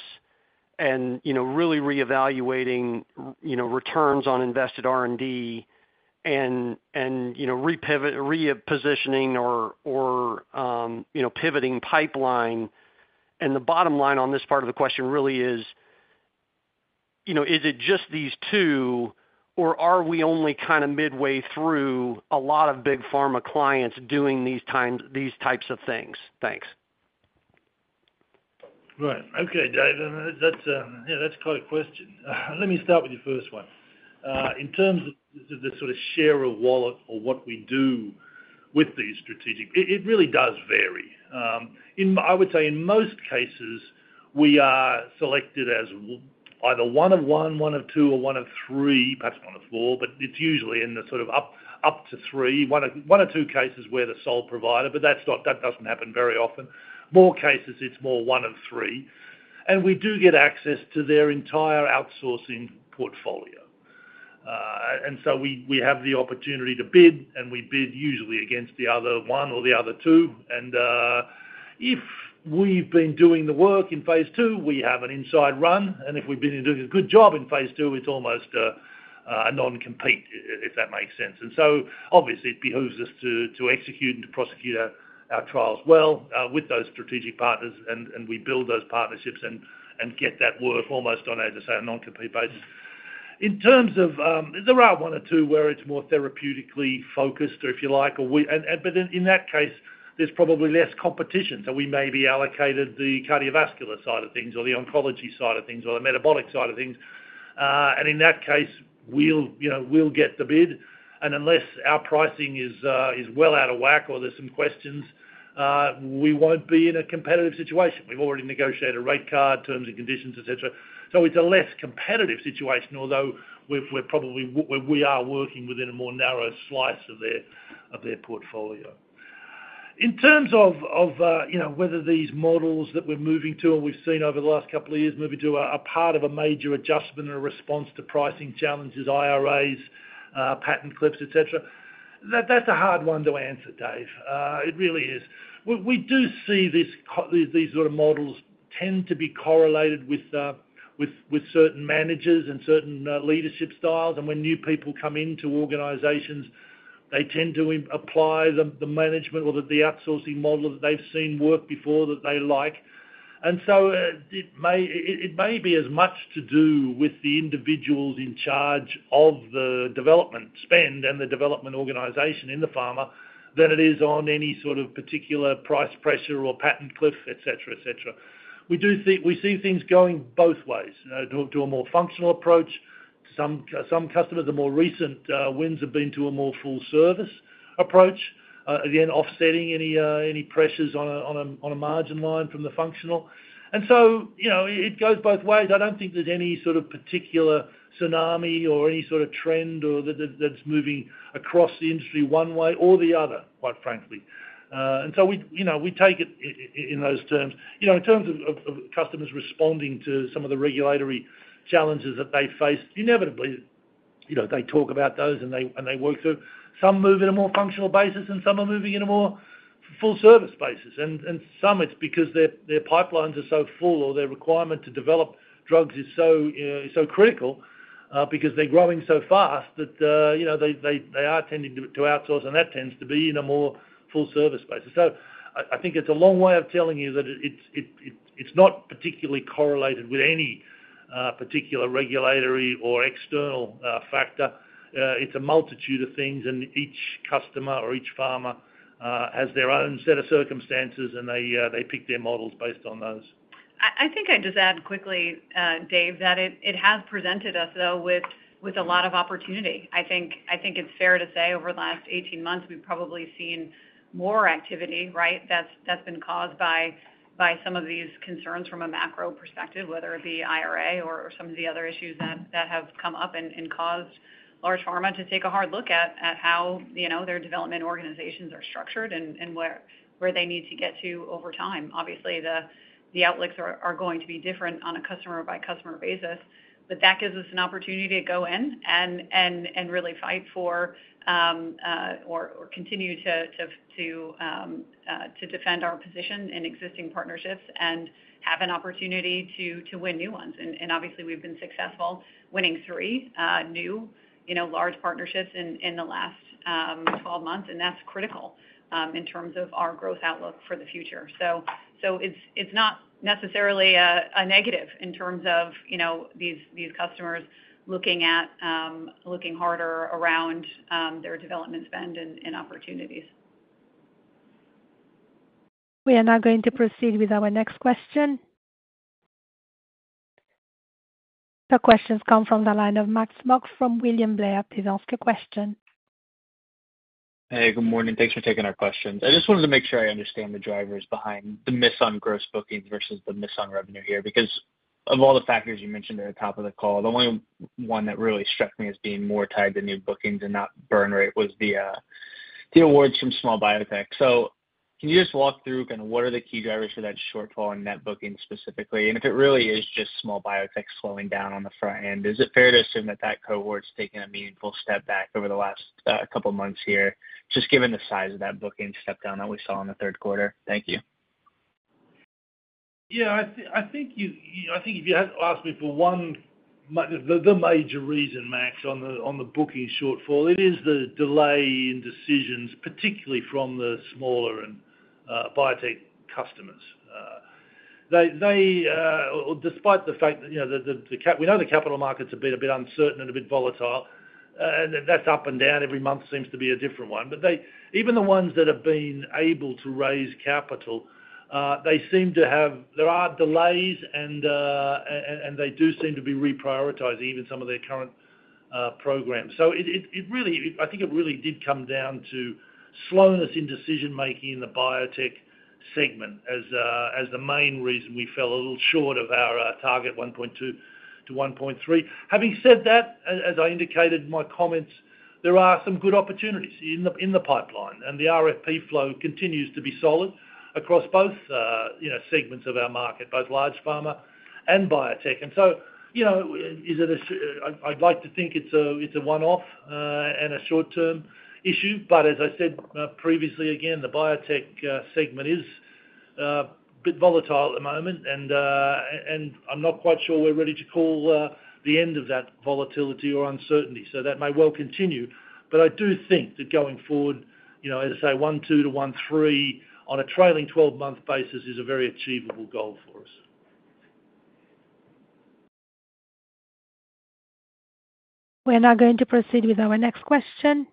and, you know, really reevaluating, you know, returns on invested R&D and, you know, repositioning or, you know, pivoting pipeline. And the bottom line on this part of the question really is, you know, is it just these two, or are we only kind of midway through a lot of big pharma clients doing these times, these types of things? Thanks. Right. Okay, Dave, and that's, yeah, that's quite a question. Let me start with your first one. In terms of the sort of share of wallet or what we do with these strategic, it really does vary. In most cases, we are selected as either one of one, one of two, or one of three, perhaps one of four, but it's usually in the sort of up to three. One of two cases we're the sole provider, but that's not, that doesn't happen very often. More cases, it's more one of three, and we do get access to their entire outsourcing portfolio. And so we have the opportunity to bid, and we bid usually against the other one or the other two. If we've been doing the work in phase two, we have an inside run, and if we've been doing a good job in phase two, it's almost a non-compete, if that makes sense. So obviously, it behooves us to execute and to prosecute our trials well with those strategic partners, and we build those partnerships and get that work almost on, as I say, a non-compete basis. In terms of, there are one or two where it's more therapeutically focused, or if you like. But in that case, there's probably less competition, so we may be allocated the cardiovascular side of things or the oncology side of things, or the metabolic side of things. In that case, we'll, you know, we'll get the bid, and unless our pricing is well out of whack or there's some questions, we won't be in a competitive situation. We've already negotiated a rate card, terms and conditions, et cetera. So it's a less competitive situation, although we're probably working within a more narrow slice of their portfolio. In terms of you know, whether these models that we're moving to and we've seen over the last couple of years, moving to a part of a major adjustment or a response to pricing challenges, IRAs, patent cliffs, et cetera, that's a hard one to answer, Dave. It really is. We do see these sort of models tend to be correlated with, with certain managers and certain leadership styles. And when new people come into organizations, they tend to apply the management or the outsourcing model that they've seen work before, that they like. And so it may be as much to do with the individuals in charge of the development spend and the development organization in the pharma than it is on any sort of particular price pressure or patent cliff, et cetera, et cetera. We see things going both ways, you know, to a more functional approach. Some customers, the more recent wins have been to a more full service approach. Again, offsetting any pressures on a margin line from the functional. And so, you know, it goes both ways. I don't think there's any sort of particular tsunami or any sort of trend or that's moving across the industry one way or the other, quite frankly. And so we, you know, we take it in those terms. You know, in terms of customers responding to some of the regulatory challenges that they face, inevitably, you know, they talk about those and they work through. Some move in a more functional basis, and some are moving in a more full service basis. Some it's because their pipelines are so full or their requirement to develop drugs is so critical because they're growing so fast that you know they are tending to outsource, and that tends to be in a more full service basis. So I think it's a long way of telling you that it's not particularly correlated with any particular regulatory or external factor. It's a multitude of things, and each customer or each pharma has their own set of circumstances, and they pick their models based on those. I think I'd just add quickly, Dave, that it has presented us though with a lot of opportunity. I think it's fair to say over the last eighteen months, we've probably seen more activity, right? That's been caused by some of these concerns from a macro perspective, whether it be IRA or some of the other issues that have come up and caused large pharma to take a hard look at how, you know, their development organizations are structured and where they need to get to over time. Obviously, the outlooks are going to be different on a customer by customer basis, but that gives us an opportunity to go in and really fight for or continue to. To defend our position in existing partnerships and have an opportunity to win new ones. And obviously, we've been successful, winning three new, you know, large partnerships in the last twelve months, and that's critical in terms of our growth outlook for the future. So it's not necessarily a negative in terms of, you know, these customers looking harder around their development spend and opportunities. We are now going to proceed with our next question. The questions come from the line of Max Smock from William Blair. Please ask your question. Hey, good morning. Thanks for taking our questions. I just wanted to make sure I understand the drivers behind the miss on gross bookings versus the miss on revenue here. Because of all the factors you mentioned at the top of the call, the only one that really struck me as being more tied to new bookings and not burn rate was the awards from small biotech. So can you just walk through kind of what are the key drivers for that shortfall in net bookings specifically? And if it really is just small biotech slowing down on the front end, is it fair to assume that that cohort's taking a meaningful step back over the last couple months here, just given the size of that booking step down that we saw in the third quarter? Thank you. Yeah, I think if you had asked me for one, the major reason, Max, on the booking shortfall, it is the delay in decisions, particularly from the smaller and biotech customers. They, despite the fact that, you know, we know the capital markets have been a bit uncertain and a bit volatile, and that's up and down, every month seems to be a different one. But they, even the ones that have been able to raise capital, there are delays and they do seem to be reprioritizing even some of their current programs. So it really, I think it really did come down to slowness in decision-making in the biotech segment as the main reason we fell a little short of our target 1.2-1.3. Having said that, as I indicated in my comments, there are some good opportunities in the pipeline, and the RFP flow continues to be solid across both, you know, segments of our market, both large pharma and biotech. And so, you know, is it? I'd like to think it's a one-off and a short-term issue, but as I said previously, again, the biotech segment is a bit volatile at the moment, and I'm not quite sure we're ready to call the end of that volatility or uncertainty, so that may well continue. But I do think that going forward, you know, as I say, 1.2-1.3 on a trailing twelve-month basis is a very achievable goal for us. We're now going to proceed with our next question.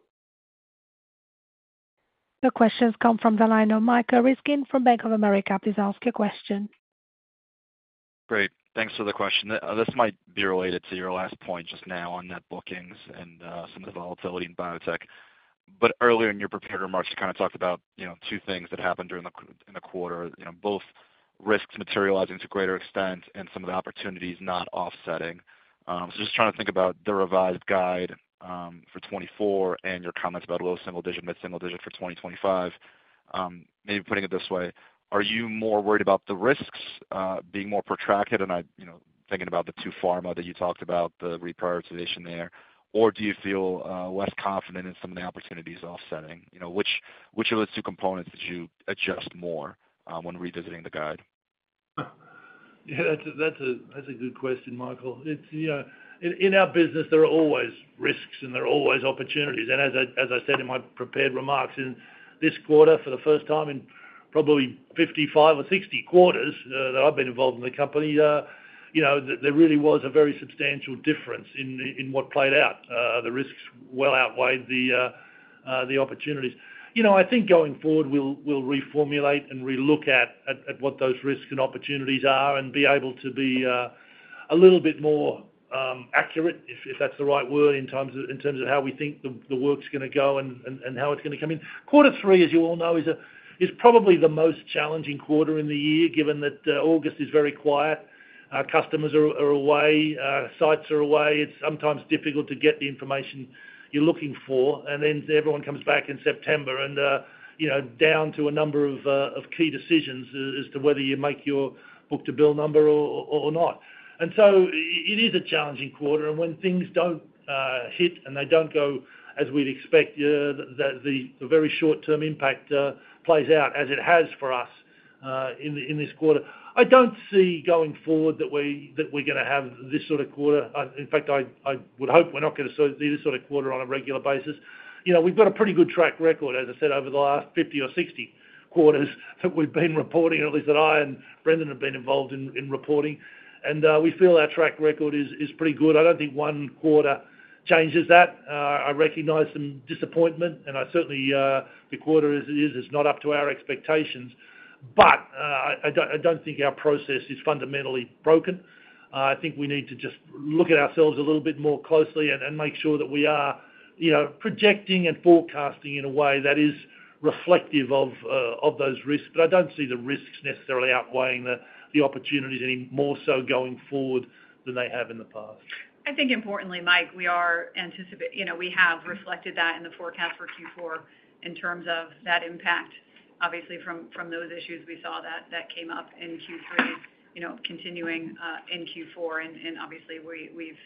The questions come from the line of Michael Ryskin from Bank of America. Please ask your question. Great. Thanks for the question. This might be related to your last point just now on net bookings and some of the volatility in biotech. But earlier in your prepared remarks, you kind of talked about, you know, two things that happened during the quarter, you know, both risks materializing to a greater extent and some of the opportunities not offsetting. So just trying to think about the revised guide for twenty-four and your comments about low single digit, mid-single digit for twenty twenty-five. Maybe putting it this way: Are you more worried about the risks being more protracted? And I, you know, thinking about the two pharma that you talked about, the reprioritization there. Or do you feel less confident in some of the opportunities offsetting? You know, which, which of those two components did you adjust more, when revisiting the guide? Yeah, that's a good question, Michael. It's, you know, in our business, there are always risks and there are always opportunities. And as I said in my prepared remarks, in this quarter, for the first time in probably 55 or 60 quarters that I've been involved in the company, you know, there really was a very substantial difference in what played out. The risks well outweighed the opportunities. You know, I think going forward, we'll reformulate and relook at what those risks and opportunities are and be able to be a little bit more accurate, if that's the right word, in terms of how we think the work's gonna go and how it's gonna come in. Quarter three, as you all know, is probably the most challenging quarter in the year, given that August is very quiet. Our customers are away, sites are away. It's sometimes difficult to get the information you're looking for, and then everyone comes back in September and, you know, down to a number of key decisions as to whether you make your book-to-bill number or not. And so it is a challenging quarter, and when things don't hit and they don't go as we'd expect, the very short-term impact plays out as it has for us in this quarter. I don't see going forward that we're gonna have this sort of quarter. In fact, I would hope we're not gonna see this sort of quarter on a regular basis. You know, we've got a pretty good track record, as I said, over the last fifty or sixty quarters that we've been reporting, at least that I and Brendan have been involved in reporting. And we feel our track record is pretty good. I don't think one quarter changes that. I recognize some disappointment, and I certainly, the quarter as it is, is not up to our expectations. But I don't think our process is fundamentally broken. I think we need to just look at ourselves a little bit more closely and make sure that we are, you know, projecting and forecasting in a way that is reflective of those risks. But I don't see the risks necessarily outweighing the opportunities any more so going forward than they have in the past. I think importantly, Mike, you know, we have reflected that in the forecast for Q4 in terms of that impact. Obviously, from those issues, we saw that that came up in Q3, you know, continuing in Q4, and obviously, we've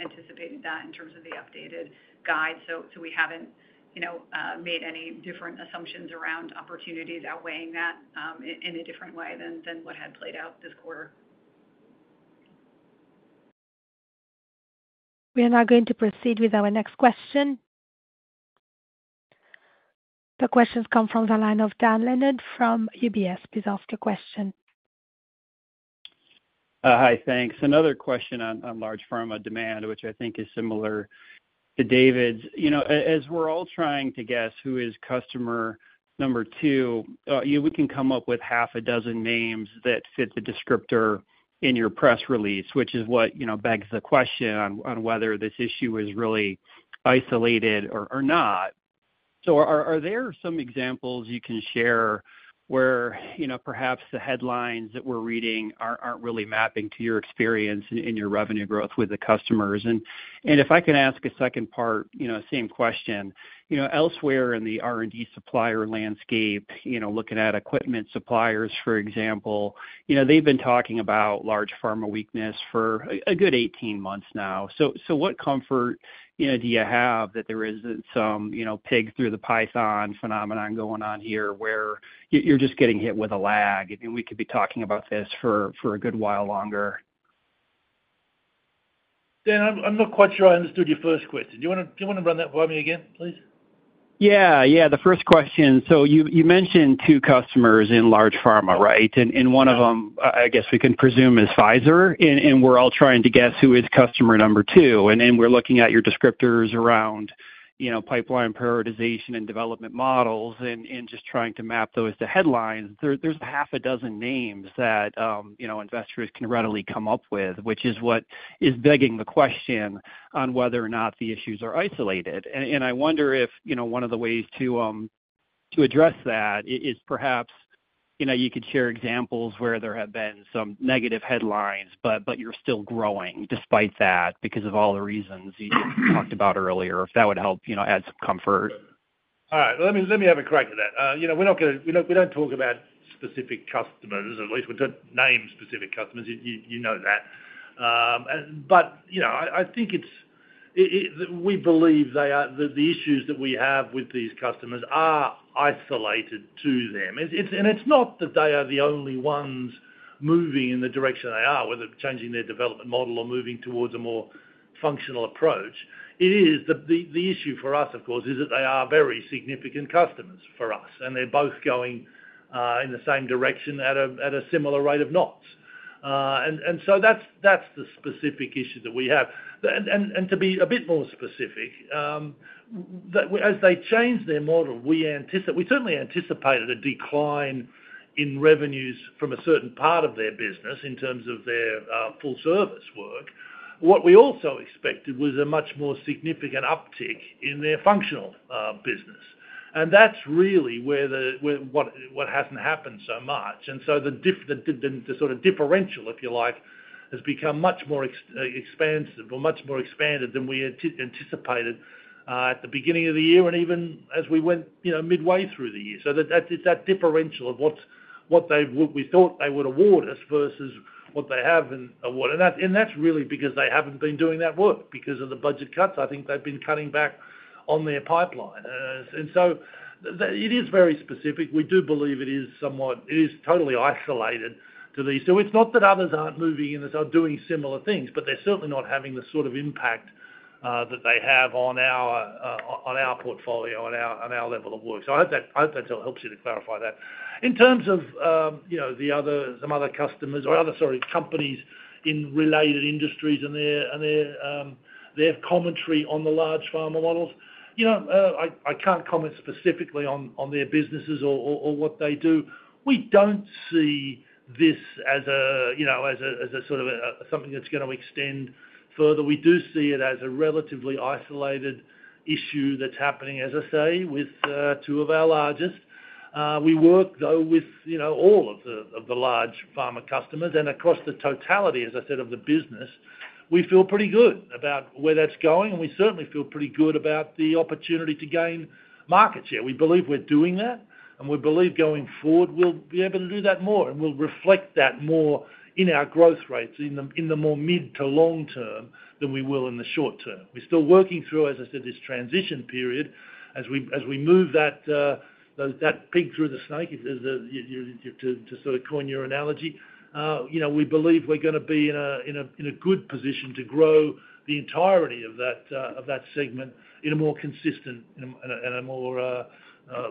anticipated that in terms of the updated guide. So we haven't, you know, made any different assumptions around opportunities outweighing that in a different way than what had played out this quarter. We are now going to proceed with our next question. The question comes from the line of Dan Leonard from UBS. Please ask your question. Hi, thanks. Another question on large pharma demand, which I think is similar to David's. You know, as we're all trying to guess who is customer number two, we can come up with half a dozen names that fit the descriptor in your press release, which is what, you know, begs the question on whether this issue is really isolated or not. So are there some examples you can share where, you know, perhaps the headlines that we're reading aren't really mapping to your experience in your revenue growth with the customers? If I can ask a second part, you know, same question. You know, elsewhere in the R&D supplier landscape, you know, looking at equipment suppliers, for example, you know, they've been talking about large pharma weakness for a good 18 months now. So, what comfort, you know, do you have that there isn't some, you know, pig-through-the-python phenomenon going on here, where you're just getting hit with a lag, and we could be talking about this for a good while longer? Dan, I'm not quite sure I understood your first question. Do you wanna run that by me again, please? Yeah. Yeah, the first question. So you mentioned two customers in large pharma, right? And one of them, I guess we can presume, is Pfizer, and we're all trying to guess who is customer number two. And we're looking at your descriptors around, you know, pipeline prioritization and development models and just trying to map those to headlines. There's half a dozen names that, you know, investors can readily come up with, which is what is begging the question on whether or not the issues are isolated. I wonder if, you know, one of the ways to address that is perhaps, you know, you could share examples where there have been some negative headlines, but you're still growing despite that, because of all the reasons you talked about earlier, if that would help, you know, add some comfort. All right, let me have a crack at that. You know, we're not gonna... We don't talk about specific customers, at least we don't name specific customers. You know that. But you know, I think it's... We believe they are the issues that we have with these customers are isolated to them. It's, and it's not that they are the only ones moving in the direction they are, whether changing their development model or moving towards a more functional approach. It is the issue for us, of course, is that they are very significant customers for us, and they're both going in the same direction at a similar rate of knots. And so that's the specific issue that we have. And to be a bit more specific, as they change their model, we certainly anticipated a decline in revenues from a certain part of their business in terms of their full service work. What we also expected was a much more significant uptick in their functional business. And that's really where what hasn't happened so much. And so the differential, if you like, has become much more expansive or much more expanded than we anticipated at the beginning of the year and even as we went, you know, midway through the year. So that it's that differential of what we thought they would award us versus what they have awarded. And that's really because they haven't been doing that work. Because of the budget cuts, I think they've been cutting back on their pipeline. And so it is very specific. We do believe it is somewhat, it is totally isolated to these. So it's not that others aren't moving and are doing similar things, but they're certainly not having the sort of impact that they have on our portfolio, on our level of work. So I hope that helps you to clarify that. In terms of, you know, some other customers or other, sorry, companies in related industries and their commentary on the large pharma models, you know, I can't comment specifically on their businesses or what they do. We don't see this as a, you know, sort of, something that's gonna extend further. We do see it as a relatively isolated issue that's happening, as I say, with two of our largest. We work, though, with, you know, all of the large pharma customers, and across the totality, as I said, of the business, we feel pretty good about where that's going, and we certainly feel pretty good about the opportunity to gain market share. We believe we're doing that, and we believe going forward, we'll be able to do that more, and we'll reflect that more in our growth rates, in the more mid to long term than we will in the short term. We're still working through, as I said, this transition period as we move that pig through the snake, as you to sort of coin your analogy. You know, we believe we're gonna be in a good position to grow the entirety of that segment in a more consistent and more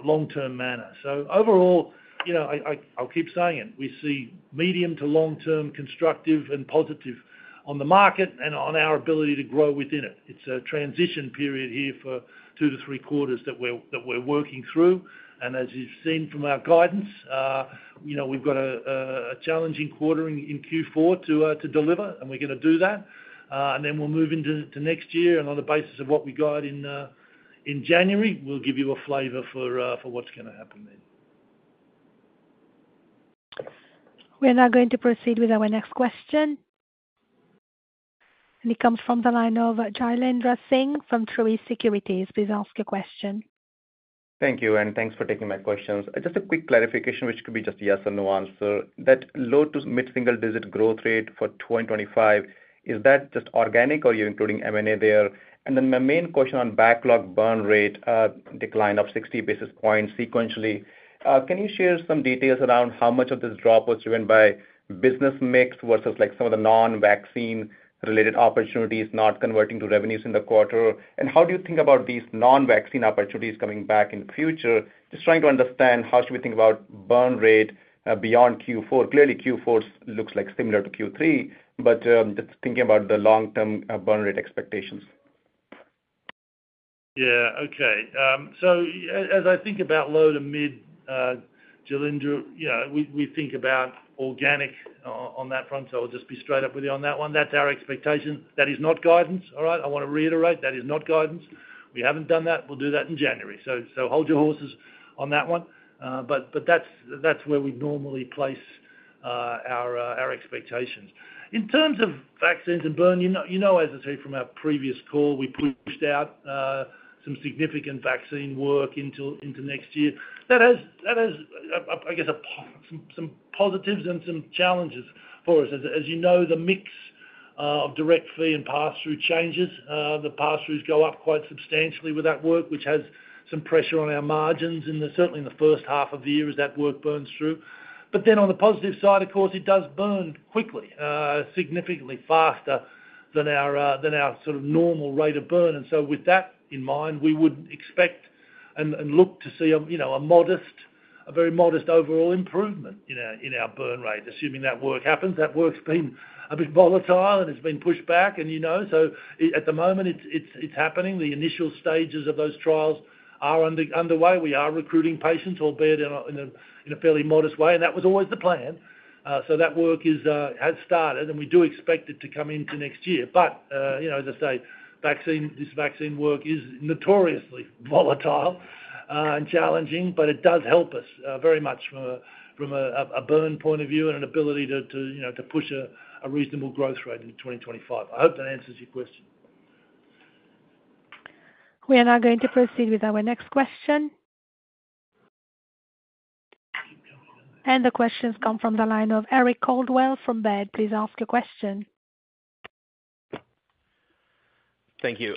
long-term manner. So overall, you know, I'll keep saying it, we see medium to long-term, constructive and positive on the market and on our ability to grow within it. It's a transition period here for two to three quarters that we're working through. And as you've seen from our guidance, you know, we've got a challenging quarter in Q4 to deliver, and we're gonna do that. And then we'll move into next year, and on the basis of what we got in January, we'll give you a flavor for what's gonna happen then. We are now going to proceed with our next question. It comes from the line of Jailendra Singh from Truist Securities. Please ask your question. Thank you, and thanks for taking my questions. Just a quick clarification, which could be just a yes or no answer. That low to mid-single-digit growth rate for twenty twenty-five-... Is that just organic or you're including M&A there? And then my main question on backlog burn rate, decline of sixty basis points sequentially. Can you share some details around how much of this drop was driven by business mix versus, like, some of the non-vaccine related opportunities not converting to revenues in the quarter? And how do you think about these non-vaccine opportunities coming back in the future? Just trying to understand, how should we think about burn rate, beyond Q4? Clearly, Q4 looks like similar to Q3, but, just thinking about the long-term, burn rate expectations. Yeah. Okay, so as I think about low to mid single-digit, you know, we think about organic on that front. So I'll just be straight up with you on that one. That's our expectation. That is not guidance, all right? I want to reiterate, that is not guidance. We haven't done that. We'll do that in January. So hold your horses on that one. But that's where we'd normally place our expectations. In terms of vaccines and burn, you know, as I say, from our previous call, we pushed out some significant vaccine work into next year. That has, I guess, some positives and some challenges for us. As you know, the mix of direct fee and pass-through changes, the pass-throughs go up quite substantially with that work, which has some pressure on our margins, and certainly in the first half of the year as that work burns through, but then on the positive side, of course, it does burn quickly, significantly faster than our than our sort of normal rate of burn, and so with that in mind, we would expect and look to see a you know a very modest overall improvement in our in our burn rate, assuming that work happens. That work's been a bit volatile, and it's been pushed back and, you know, so at the moment, it's happening. The initial stages of those trials are underway. We are recruiting patients, albeit in a fairly modest way, and that was always the plan, so that work has started, and we do expect it to come into next year, but you know, as I say, vaccine, this vaccine work is notoriously volatile and challenging, but it does help us very much from a burn point of view and an ability to you know to push a reasonable growth rate into twenty twenty-five. I hope that answers your question. We are now going to proceed with our next question. And the question's come from the line of Eric Coldwell from Baird. Please ask your question. Thank you.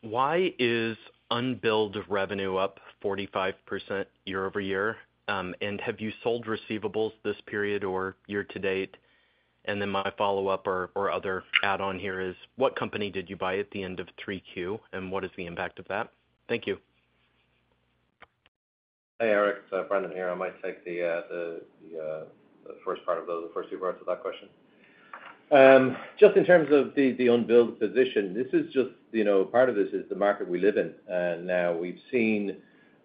Why is unbilled revenue up 45% year over year? And have you sold receivables this period or year to date? And then my follow-up or other add-on here is, what company did you buy at the end of 3Q, and what is the impact of that? Thank you. Hey, Eric, Brendan here. I might take the first part of those, the first two parts of that question. Just in terms of the unbilled position, this is just, you know, part of this is the market we live in. And now we've seen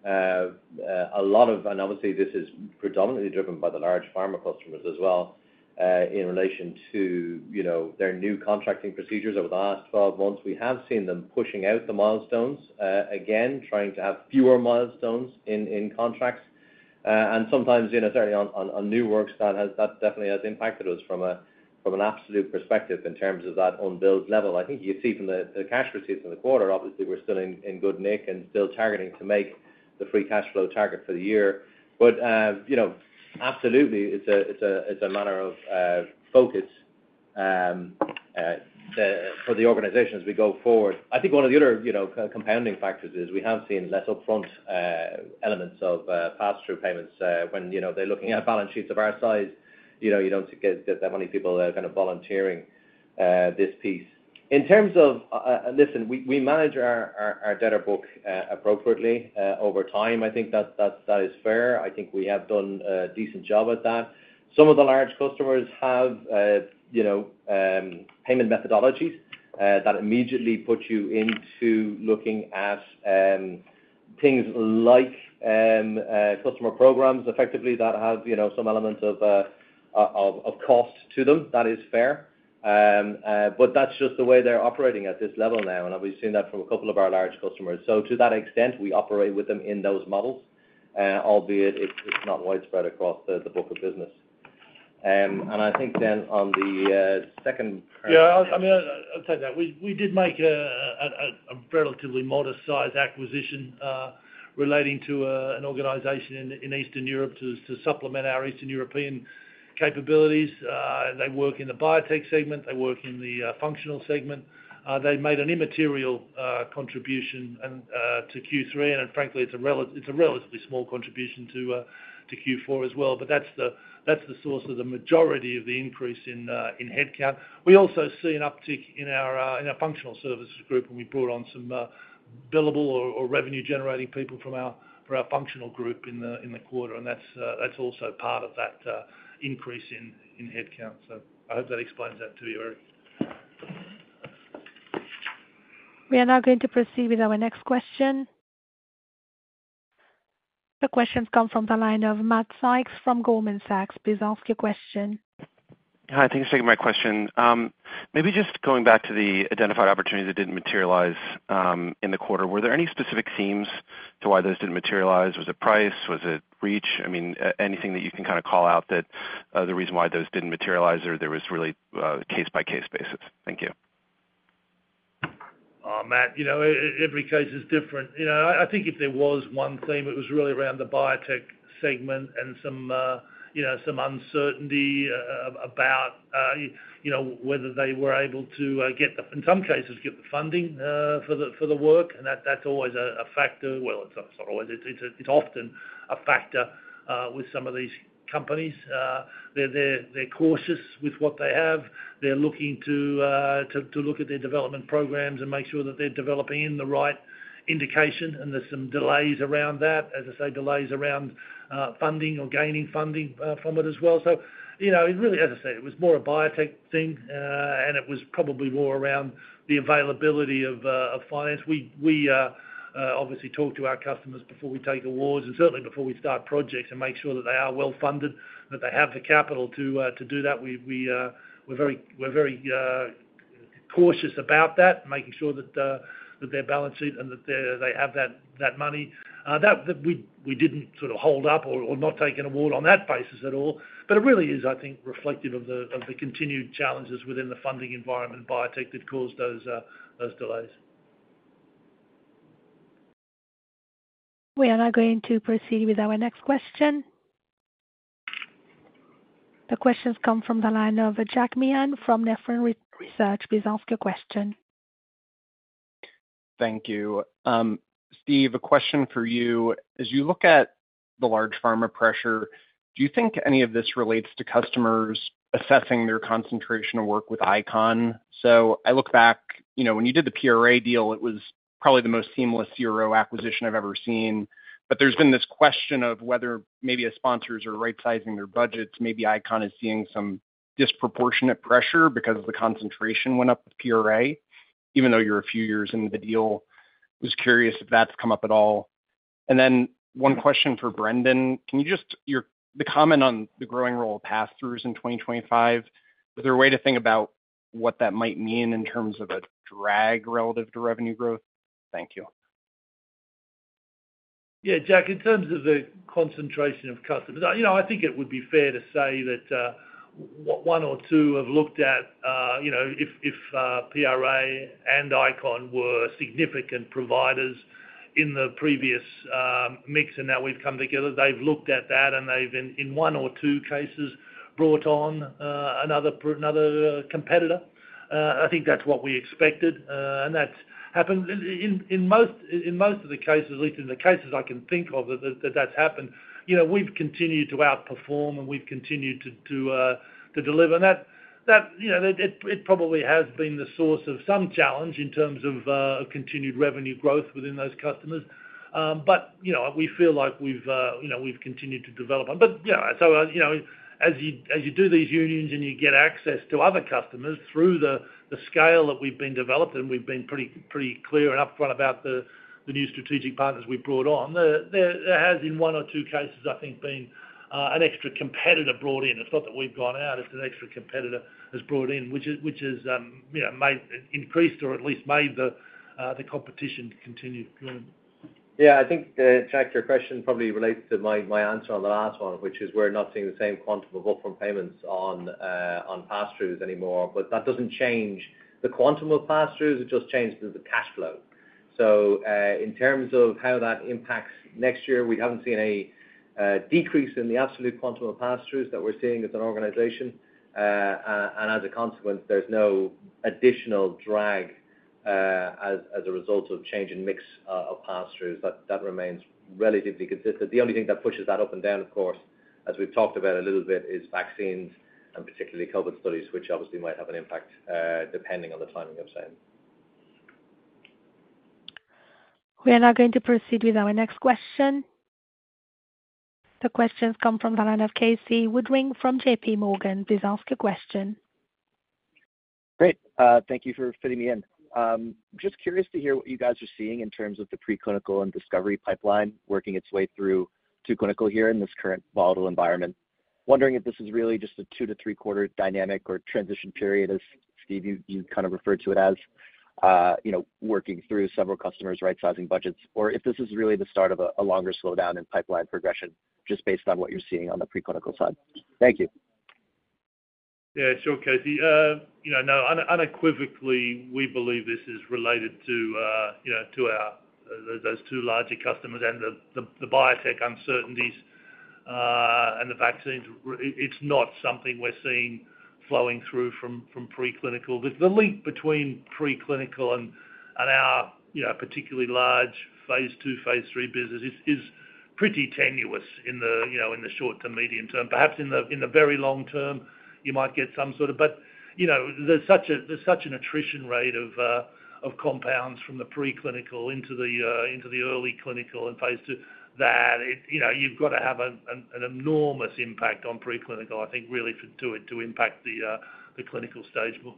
a lot of. And obviously, this is predominantly driven by the large pharma customers as well, in relation to, you know, their new contracting procedures over the last twelve months. We have seen them pushing out the milestones, again, trying to have fewer milestones in contracts, and sometimes, you know, certainly on new works that has that definitely has impacted us from a, from an absolute perspective in terms of that unbilled level. I think you see from the cash receipts in the quarter, obviously, we're still in good nick and still targeting to make the free cash flow target for the year. But you know, absolutely, it's a matter of focus for the organization as we go forward. I think one of the other, you know, compounding factors is we have seen less upfront elements of pass-through payments when, you know, they're looking at balance sheets of our size, you know, you don't get that many people kind of volunteering this piece. In terms of... Listen, we manage our debtor book appropriately over time. I think that's fair. I think we have done a decent job at that. Some of the large customers have, you know, payment methodologies that immediately put you into looking at things like customer programs effectively that have, you know, some elements of cost to them. That is fair, but that's just the way they're operating at this level now, and we've seen that from a couple of our large customers. So to that extent, we operate with them in those models, albeit it's not widespread across the book of business, and I think then on the second part- Yeah, I mean, I'll tell you that we did make a relatively modest-sized acquisition, relating to an organization in Eastern Europe to supplement our Eastern European capabilities. They work in the biotech segment, they work in the functional segment. They made an immaterial contribution to Q3, and frankly, it's a relatively small contribution to Q4 as well. But that's the source of the majority of the increase in headcount. We also see an uptick in our functional services group, and we brought on some billable or revenue-generating people from our functional group in the quarter, and that's also part of that increase in headcount. So I hope that explains that to you, Eric. We are now going to proceed with our next question. The question's come from the line of Matt Sykes from Goldman Sachs. Please ask your question. Hi, thanks for taking my question. Maybe just going back to the identified opportunities that didn't materialize in the quarter. Were there any specific themes to why those didn't materialize? Was it price? Was it reach? I mean, anything that you can kind of call out that the reason why those didn't materialize, or there was really case-by-case basis? Thank you. ...Oh, Matt, you know, every case is different. You know, I think if there was one theme, it was really around the biotech segment and some, you know, some uncertainty about, you know, whether they were able to get the... In some cases, get the funding for the work, and that's always a factor. It's not always. It's often a factor with some of these companies. They're cautious with what they have. They're looking to look at their development programs and make sure that they're developing in the right indication, and there's some delays around that. As I say, delays around funding or gaining funding from it as well. You know, it really, as I said, it was more a biotech thing, and it was probably more around the availability of finance. We obviously talk to our customers before we take awards, and certainly before we start projects, and make sure that they are well-funded, that they have the capital to do that. We are very cautious about that, making sure that their balance sheet and that they have that money. That we did not sort of hold up or not take an award on that basis at all. But it really is, I think, reflective of the continued challenges within the funding environment in biotech that caused those delays. We are now going to proceed with our next question. The question's come from the line of Jack Meehan from Nephron Research. Please ask your question. Thank you. Steve, a question for you. As you look at the large pharma pressure, do you think any of this relates to customers assessing their concentration of work with ICON? So I look back, you know, when you did the PRA deal, it was probably the most seamless CRO acquisition I've ever seen. But there's been this question of whether maybe as sponsors are rightsizing their budgets, maybe ICON is seeing some disproportionate pressure because the concentration went up with PRA, even though you're a few years into the deal. Just curious if that's come up at all, and then one question for Brendan. Can you just your comment on the growing role of pass-throughs in twenty twenty-five, is there a way to think about what that might mean in terms of a drag relative to revenue growth? Thank you. Yeah, Jack, in terms of the concentration of customers, you know, I think it would be fair to say that, one or two have looked at, you know, if, PRA and Icon were significant providers in the previous, mix, and now we've come together, they've looked at that, and they've, in one or two cases, brought on, another competitor. I think that's what we expected, and that's happened. In most of the cases, at least in the cases I can think of, that's happened, you know, we've continued to outperform, and we've continued to deliver. That, you know, it probably has been the source of some challenge in terms of, a continued revenue growth within those customers. But, you know, we feel like we've, you know, we've continued to develop them. But, yeah, so, you know, as you do these acquisitions and you get access to other customers through the scale that we've been developing, we've been pretty clear and upfront about the new strategic partners we've brought on. There has, in one or two cases, I think, been an extra competitor brought in. It's not that we've gone out, it's an extra competitor has brought in, which is, you know, made increased or at least made the competition to continue growing. Yeah, I think, Jack, your question probably relates to my answer on the last one, which is we're not seeing the same quantum of upfront payments on pass-throughs anymore. But that doesn't change the quantum of pass-throughs. It just changes the cash flow. So, in terms of how that impacts next year, we haven't seen any decrease in the absolute quantum of pass-throughs that we're seeing as an organization. And as a consequence, there's no additional drag as a result of change in mix of pass-throughs. That remains relatively consistent. The only thing that pushes that up and down, of course, as we've talked about a little bit, is vaccines and particularly COVID studies, which obviously might have an impact depending on the timing of same. We are now going to proceed with our next question. The question's come from the line of Casey Woodring from J.P. Morgan. Please ask your question. Great. Thank you for fitting me in. Just curious to hear what you guys are seeing in terms of the preclinical and discovery pipeline working its way through to clinical here in this current volatile environment. Wondering if this is really just a two- to three-quarter dynamic or transition period, as Steve, you kind of referred to it as, you know, working through several customers, rightsizing budgets, or if this is really the start of a longer slowdown in pipeline progression, just based on what you're seeing on the preclinical side. Thank you. Yeah, sure, Casey. You know, now, unequivocally, we believe this is related to, you know, to our, those two larger customers and the biotech uncertainties, and the vaccines. It's not something we're seeing flowing through from preclinical. The link between preclinical and our, you know, particularly large Phase II, Phase III business is pretty tenuous in the, you know, in the short to medium term. Perhaps in the very long term, you might get some sort of... But, you know, there's such an attrition rate of compounds from the preclinical into the early clinical and Phase II, that it... You know, you've got to have an enormous impact on preclinical, I think, really to impact the clinical stage of,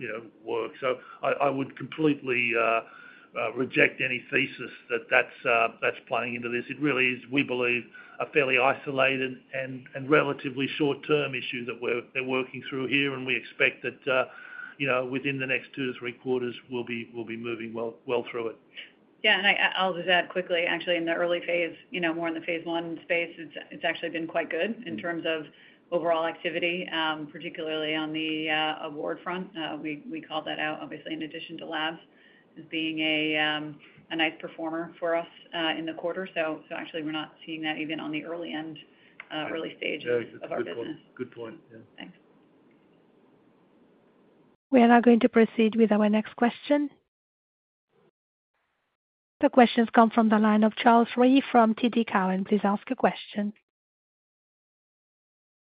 you know, work. So I would completely reject any thesis that that's playing into this. It really is, we believe, a fairly isolated and relatively short-term issue that we're working through here, and we expect that, you know, within the next two to three quarters, we'll be moving well through it. ... Yeah, and I, I'll just add quickly, actually, in the early phase, you know, more in the Phase I space, it's actually been quite good in terms of overall activity, particularly on the award front. We called that out, obviously, in addition to labs as being a nice performer for us in the quarter. So actually we're not seeing that even on the early end, early stages of our business. Good point. Good point. Yeah. Thanks. We are now going to proceed with our next question. The question's come from the line of Charles Rhee from TD Cowen. Please ask your question.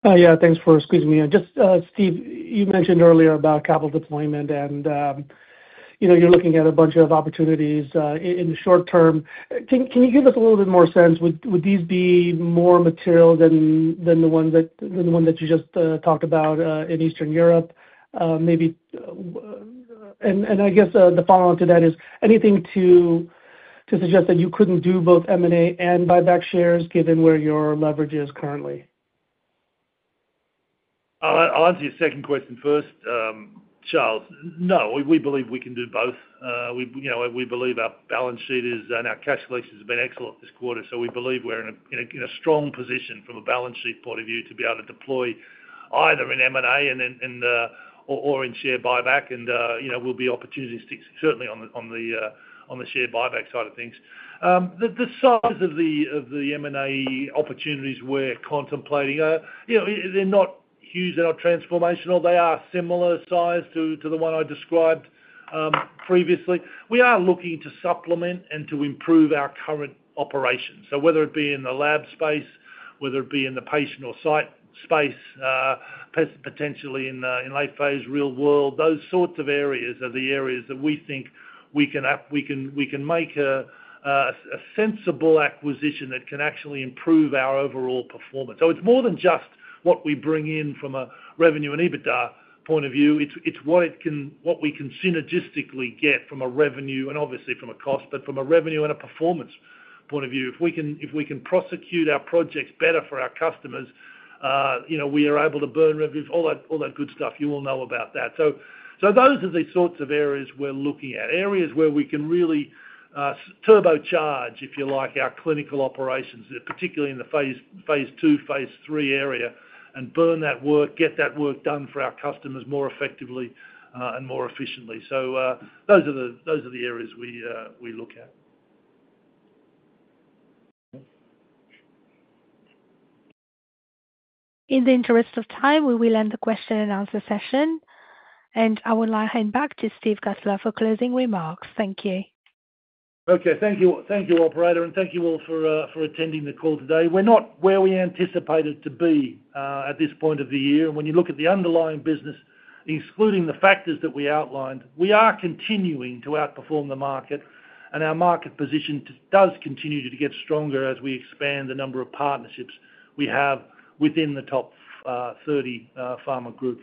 Yeah, thanks for squeezing me in. Just, Steve, you mentioned earlier about capital deployment and, you know, you're looking at a bunch of opportunities, in the short term. Can you give us a little bit more sense, would these be more material than the one that you just talked about in Eastern Europe? I guess the follow-on to that is, anything to suggest that you couldn't do both M&A and buyback shares, given where your leverage is currently? I'll answer your second question first, Charles. No, we believe we can do both. We, you know, we believe our balance sheet is and our cash flow has been excellent this quarter, so we believe we're in a strong position from a balance sheet point of view, to be able to deploy either in M&A or in share buyback, and you know, we'll be opportunistic, certainly on the share buyback side of things. The size of the M&A opportunities we're contemplating are, you know, they're not huge, they're not transformational. They are similar size to the one I described previously. We are looking to supplement and to improve our current operations. So whether it be in the lab space, whether it be in the patient or site space, potentially in late Phase, Real World, those sorts of areas are the areas that we think we can make a sensible acquisition that can actually improve our overall performance. So it's more than just what we bring in from a revenue and EBITDA point of view. It's what we can synergistically get from a revenue and obviously from a cost, but from a revenue and a performance point of view. If we can prosecute our projects better for our customers, you know, we are able to earn revenues, all that good stuff. You all know about that. Those are the sorts of areas we're looking at, areas where we can really turbocharge, if you like, our clinical operations, particularly in the Phase II, Phase III area, and burn that work, get that work done for our customers more effectively and more efficiently. Those are the areas we look at. In the interest of time, we will end the question and answer session, and I would now hand back to Steve Cutler for closing remarks. Thank you. Okay. Thank you. Thank you, operator, and thank you all for attending the call today. We're not where we anticipated to be at this point of the year. When you look at the underlying business, excluding the factors that we outlined, we are continuing to outperform the market, and our market position does continue to get stronger as we expand the number of partnerships we have within the top thirty pharma group.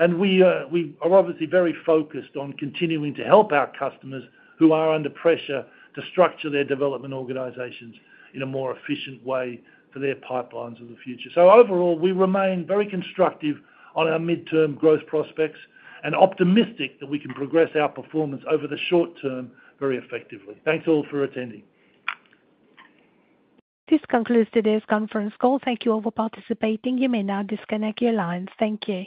And we are obviously very focused on continuing to help our customers who are under pressure to structure their development organizations in a more efficient way for their pipelines of the future. So overall, we remain very constructive on our midterm growth prospects and optimistic that we can progress our performance over the short term very effectively. Thanks, all, for attending. This concludes today's conference call. Thank you all for participating. You may now disconnect your lines. Thank you.